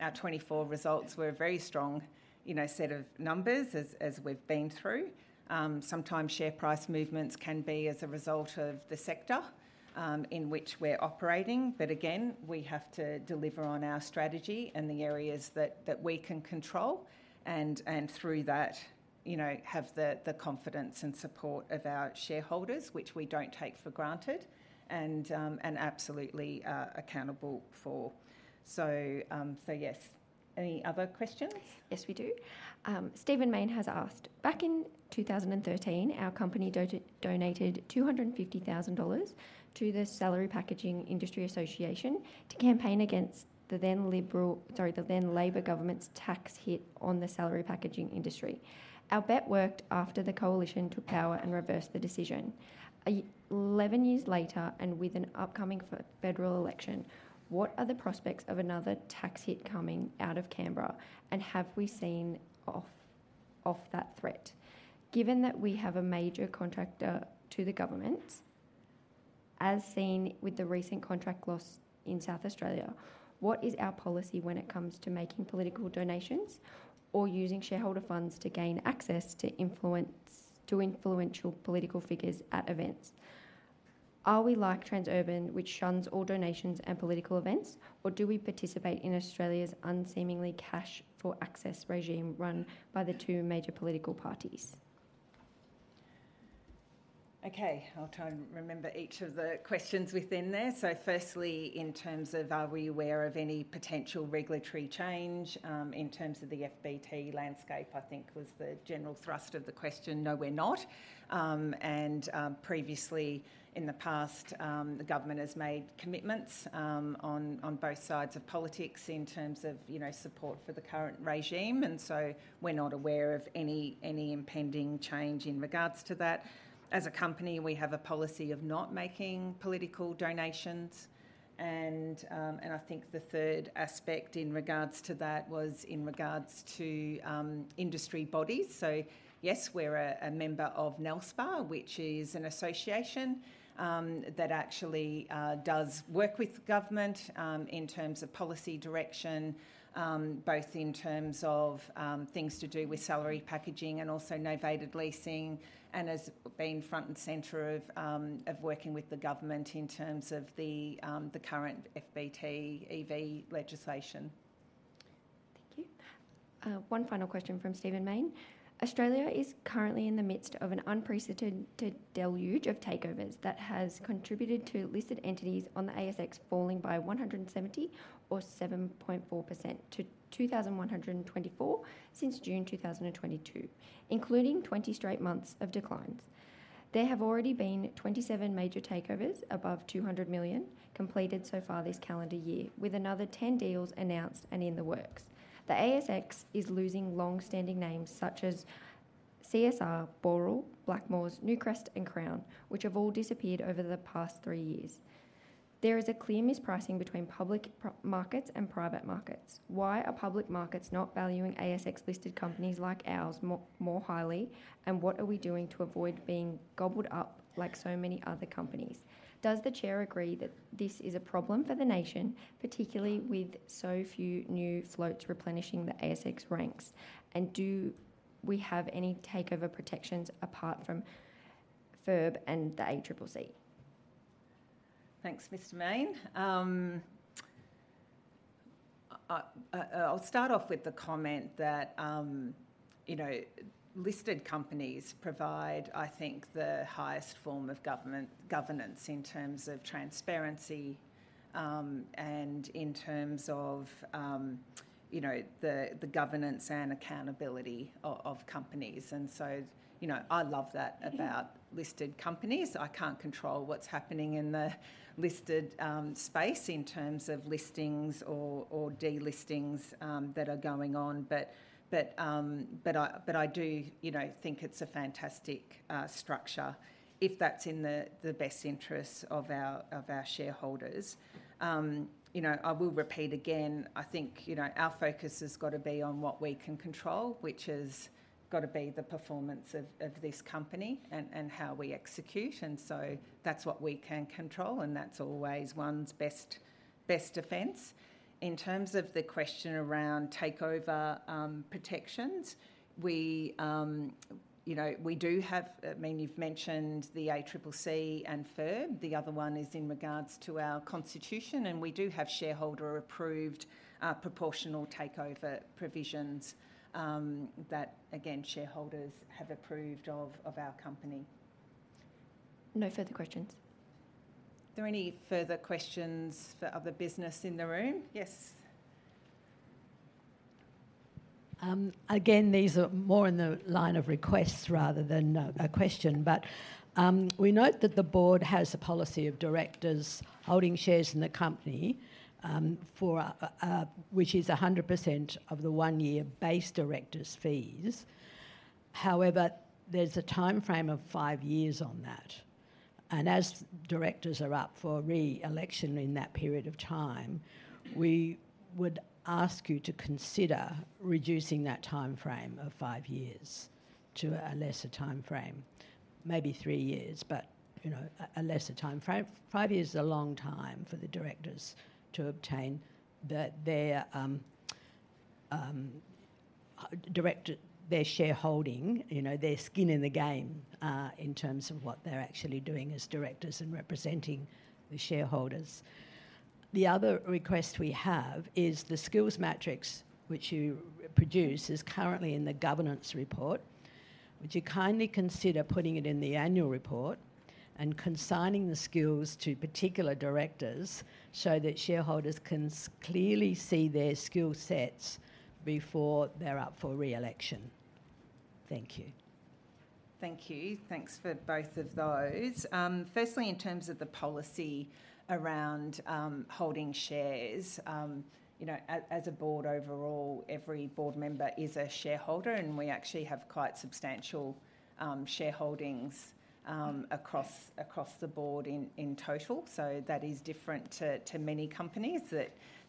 Our twenty-four results were a very strong, you know, set of numbers as we've been through. Sometimes share price movements can be as a result of the sector in which we're operating, but again, we have to deliver on our strategy and the areas that we can control, and through that, you know, have the confidence and support of our shareholders, which we don't take for granted, and absolutely are accountable for. So yes. Any other questions? Yes, we do. Stephen Mayne has asked, "Back in 2013, our company donated 250,000 dollars to the Salary Packaging Industry Association to campaign against the then Liberal, sorry, the then Labor government's tax hit on the salary packaging industry. Our bet worked after the Coalition took power and reversed the decision. 11 years later, and with an upcoming federal election, what are the prospects of another tax hit coming out of Canberra, and have we seen off that threat? Given that we have a major contractor to the government, as seen with the recent contract loss in South Australia, what is our policy when it comes to making political donations or using shareholder funds to gain access to influential political figures at events? Are we like Transurban, which shuns all donations and political events, or do we participate in Australia's unseemly cash-for-access regime run by the two major political parties? Okay, I'll try and remember each of the questions within there. So firstly, in terms of are we aware of any potential regulatory change in terms of the FBT landscape, I think was the general thrust of the question. No, we're not. Previously in the past, the government has made commitments on both sides of politics in terms of, you know, support for the current regime, and so we're not aware of any impending change in regards to that. As a company, we have a policy of not making political donations, and I think the third aspect in regards to that was in regards to industry bodies. So yes, we're a member of NALSPA, which is an association that actually does work with government in terms of policy direction, both in terms of things to do with salary packaging and also novated leasing, and has been front and center of working with the government in terms of the current FBT EV legislation. Thank you. One final question from Stephen Mayne: Australia is currently in the midst of an unprecedented deluge of takeovers that has contributed to listed entities on the ASX falling by 170 or 7.4% to 2,124 since June 2022, including 20 straight months of declines. There have already been 27 major takeovers above 200 million completed so far this calendar year, with another 10 deals announced and in the works. The ASX is losing long-standing names such as CSR, Boral, Blackmores, Newcrest, and Crown, which have all disappeared over the past three years. There is a clear mispricing between public markets and private markets. Why are public markets not valuing ASX-listed companies like ours more, more highly, and what are we doing to avoid being gobbled up like so many other companies? Does the chair agree that this is a problem for the nation, particularly with so few new floats replenishing the ASX ranks? And do we have any takeover protections apart from FIRB and the ACCC? Thanks, Mr. Mayne. I'll start off with the comment that, you know, listed companies provide, I think, the highest form of governance in terms of transparency, and in terms of, you know, the governance and accountability of companies. And so, you know, I love that- Mm-hmm about listed companies. I can't control what's happening in the listed space in terms of listings or delistings that are going on. But I do, you know, think it's a fantastic structure if that's in the best interests of our shareholders. You know, I will repeat again, I think, you know, our focus has got to be on what we can control, which has got to be the performance of this company and how we execute, and so that's what we can control, and that's always one's best defense. In terms of the question around takeover protections, we, you know, do have, I mean, you've mentioned the ACCC and FIRB. The other one is in regards to our constitution, and we do have shareholder-approved proportional takeover provisions that, again, shareholders have approved of, of our company. No further questions. Are there any further questions for other business in the room? Yes. Again, these are more in the line of requests rather than a question, but we note that the board has a policy of directors holding shares in the company, for which is 100% of the one-year base directors' fees. However, there's a timeframe of five years on that, and as directors are up for re-election in that period of time, we would ask you to consider reducing that timeframe of five years to a lesser timeframe, maybe three years, but, you know, a lesser timeframe. Five years is a long time for the directors to obtain their director... their shareholding, you know, their skin in the game, in terms of what they're actually doing as directors and representing the shareholders. The other request we have is the skills matrix which you produce is currently in the governance report. Would you kindly consider putting it in the annual report and consigning the skills to particular directors so that shareholders can clearly see their skill sets before they're up for re-election? Thank you. Thank you. Thanks for both of those. Firstly, in terms of the policy around holding shares, you know, as a board overall, every board member is a shareholder, and we actually have quite substantial shareholdings across the board in total. So that is different to many companies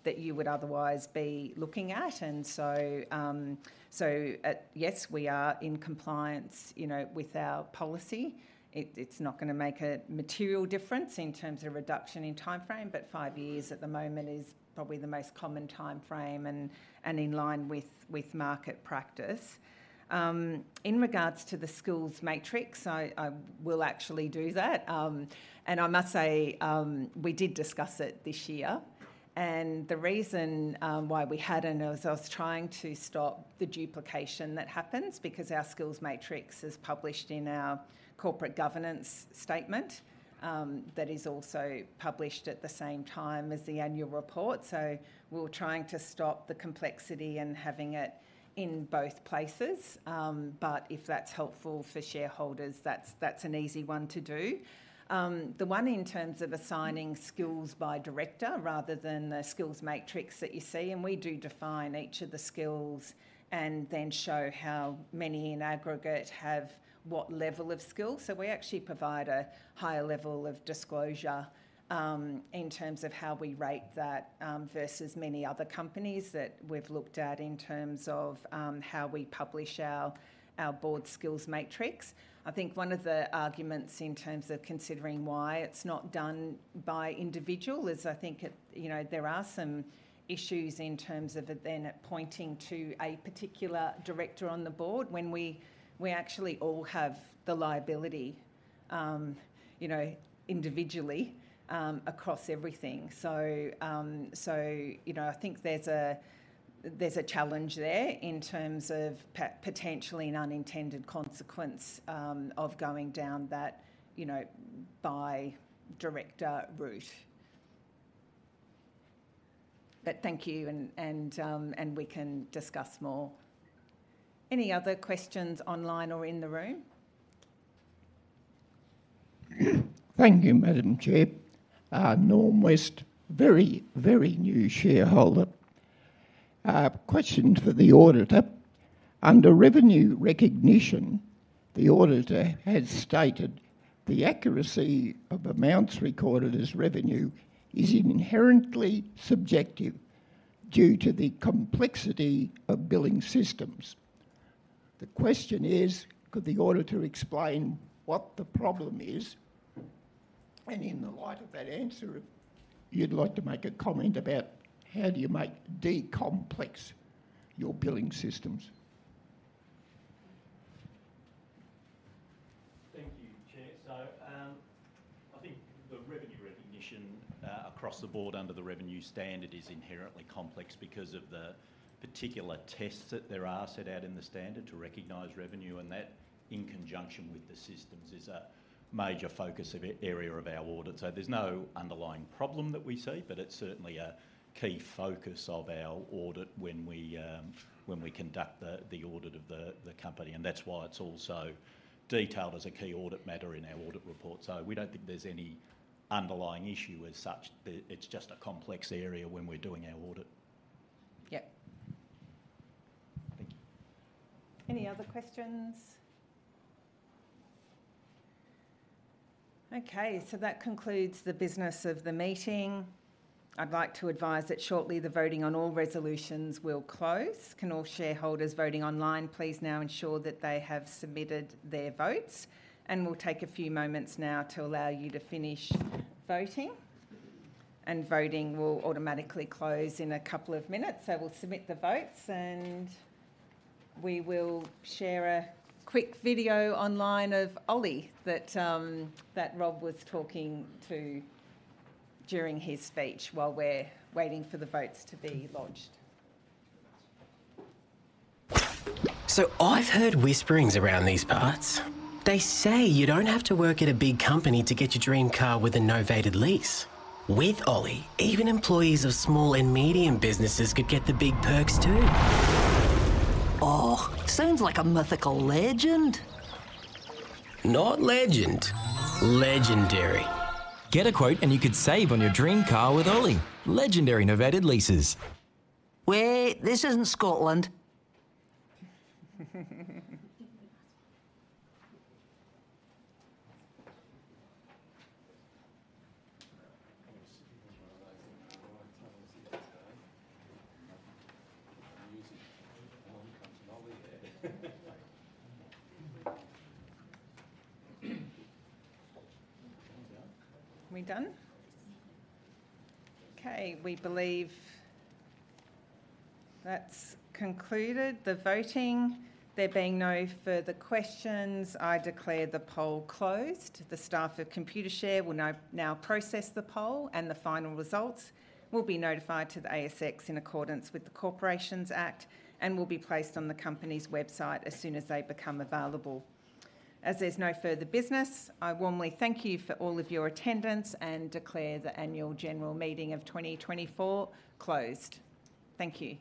that you would otherwise be looking at. And so, yes, we are in compliance, you know, with our policy. It's not gonna make a material difference in terms of reduction in timeframe, but five years at the moment is probably the most common timeframe and in line with market practice. In regards to the skills matrix, I will actually do that. And I must say, we did discuss it this year, and the reason why we hadn't is I was trying to stop the duplication that happens, because our skills matrix is published in our Corporate Governance Statement that is also published at the same time as the annual report. So we were trying to stop the complexity and having it in both places. But if that's helpful for shareholders, that's an easy one to do. The one in terms of assigning skills by director rather than the skills matrix that you see, and we do define each of the skills and then show how many in aggregate have what level of skill. So we actually provide a higher level of disclosure in terms of how we rate that versus many other companies that we've looked at in terms of how we publish our board skills matrix. I think one of the arguments in terms of considering why it's not done by individual is I think it you know there are some issues in terms of it then pointing to a particular director on the board when we actually all have the liability you know individually across everything. So you know I think there's a challenge there in terms of potentially an unintended consequence of going down that you know by director route. But thank you, and we can discuss more. Any other questions online or in the room? Thank you, Madam Chair. Norm West, very, very new shareholder. Question for the auditor: under revenue recognition, the auditor has stated the accuracy of amounts recorded as revenue is inherently subjective due to the complexity of billing systems. The question is, could the auditor explain what the problem is? And in the light of that answer, if you'd like to make a comment about how do you make de-complex your billing systems? Thank you, Chair. So, I think the revenue recognition across the board under the Revenue Standard is inherently complex because of the particular tests that there are set out in the standard to recognize revenue, and that, in conjunction with the systems, is a major focus of area of our audit. So there's no underlying problem that we see, but it's certainly a key focus of our audit when we conduct the audit of the company, and that's why it's also detailed as a key audit matter in our audit report. So we don't think there's any underlying issue as such. It's just a complex area when we're doing our audit. Yep. Thank you. Any other questions? Okay, so that concludes the business of the meeting. I'd like to advise that shortly the voting on all resolutions will close. Can all shareholders voting online please now ensure that they have submitted their votes? And we'll take a few moments now to allow you to finish voting, and voting will automatically close in a couple of minutes. So we'll submit the votes, and we will share a quick video online of Oly that that Rob was talking to during his speech while we're waiting for the votes to be lodged. I've heard whisperings around these parts. They say you don't have to work at a big company to get your dream car with a novated lease. With Oly, even employees of small and medium businesses could get the big perks, too. Oh, sounds like a mythical legend. Not legend. Legendary. Get a quote, and you could save on your dream car with Oly. Legendary novated leases. Wait, this isn't Scotland. Are we done? Okay, we believe that's concluded, the voting. There being no further questions, I declare the poll closed. The staff of Computershare will now process the poll, and the final results will be notified to the ASX in accordance with the Corporations Act and will be placed on the company's website as soon as they become available. As there's no further business, I warmly thank you for all of your attendance and declare the annual general meeting of 2024 closed. Thank you.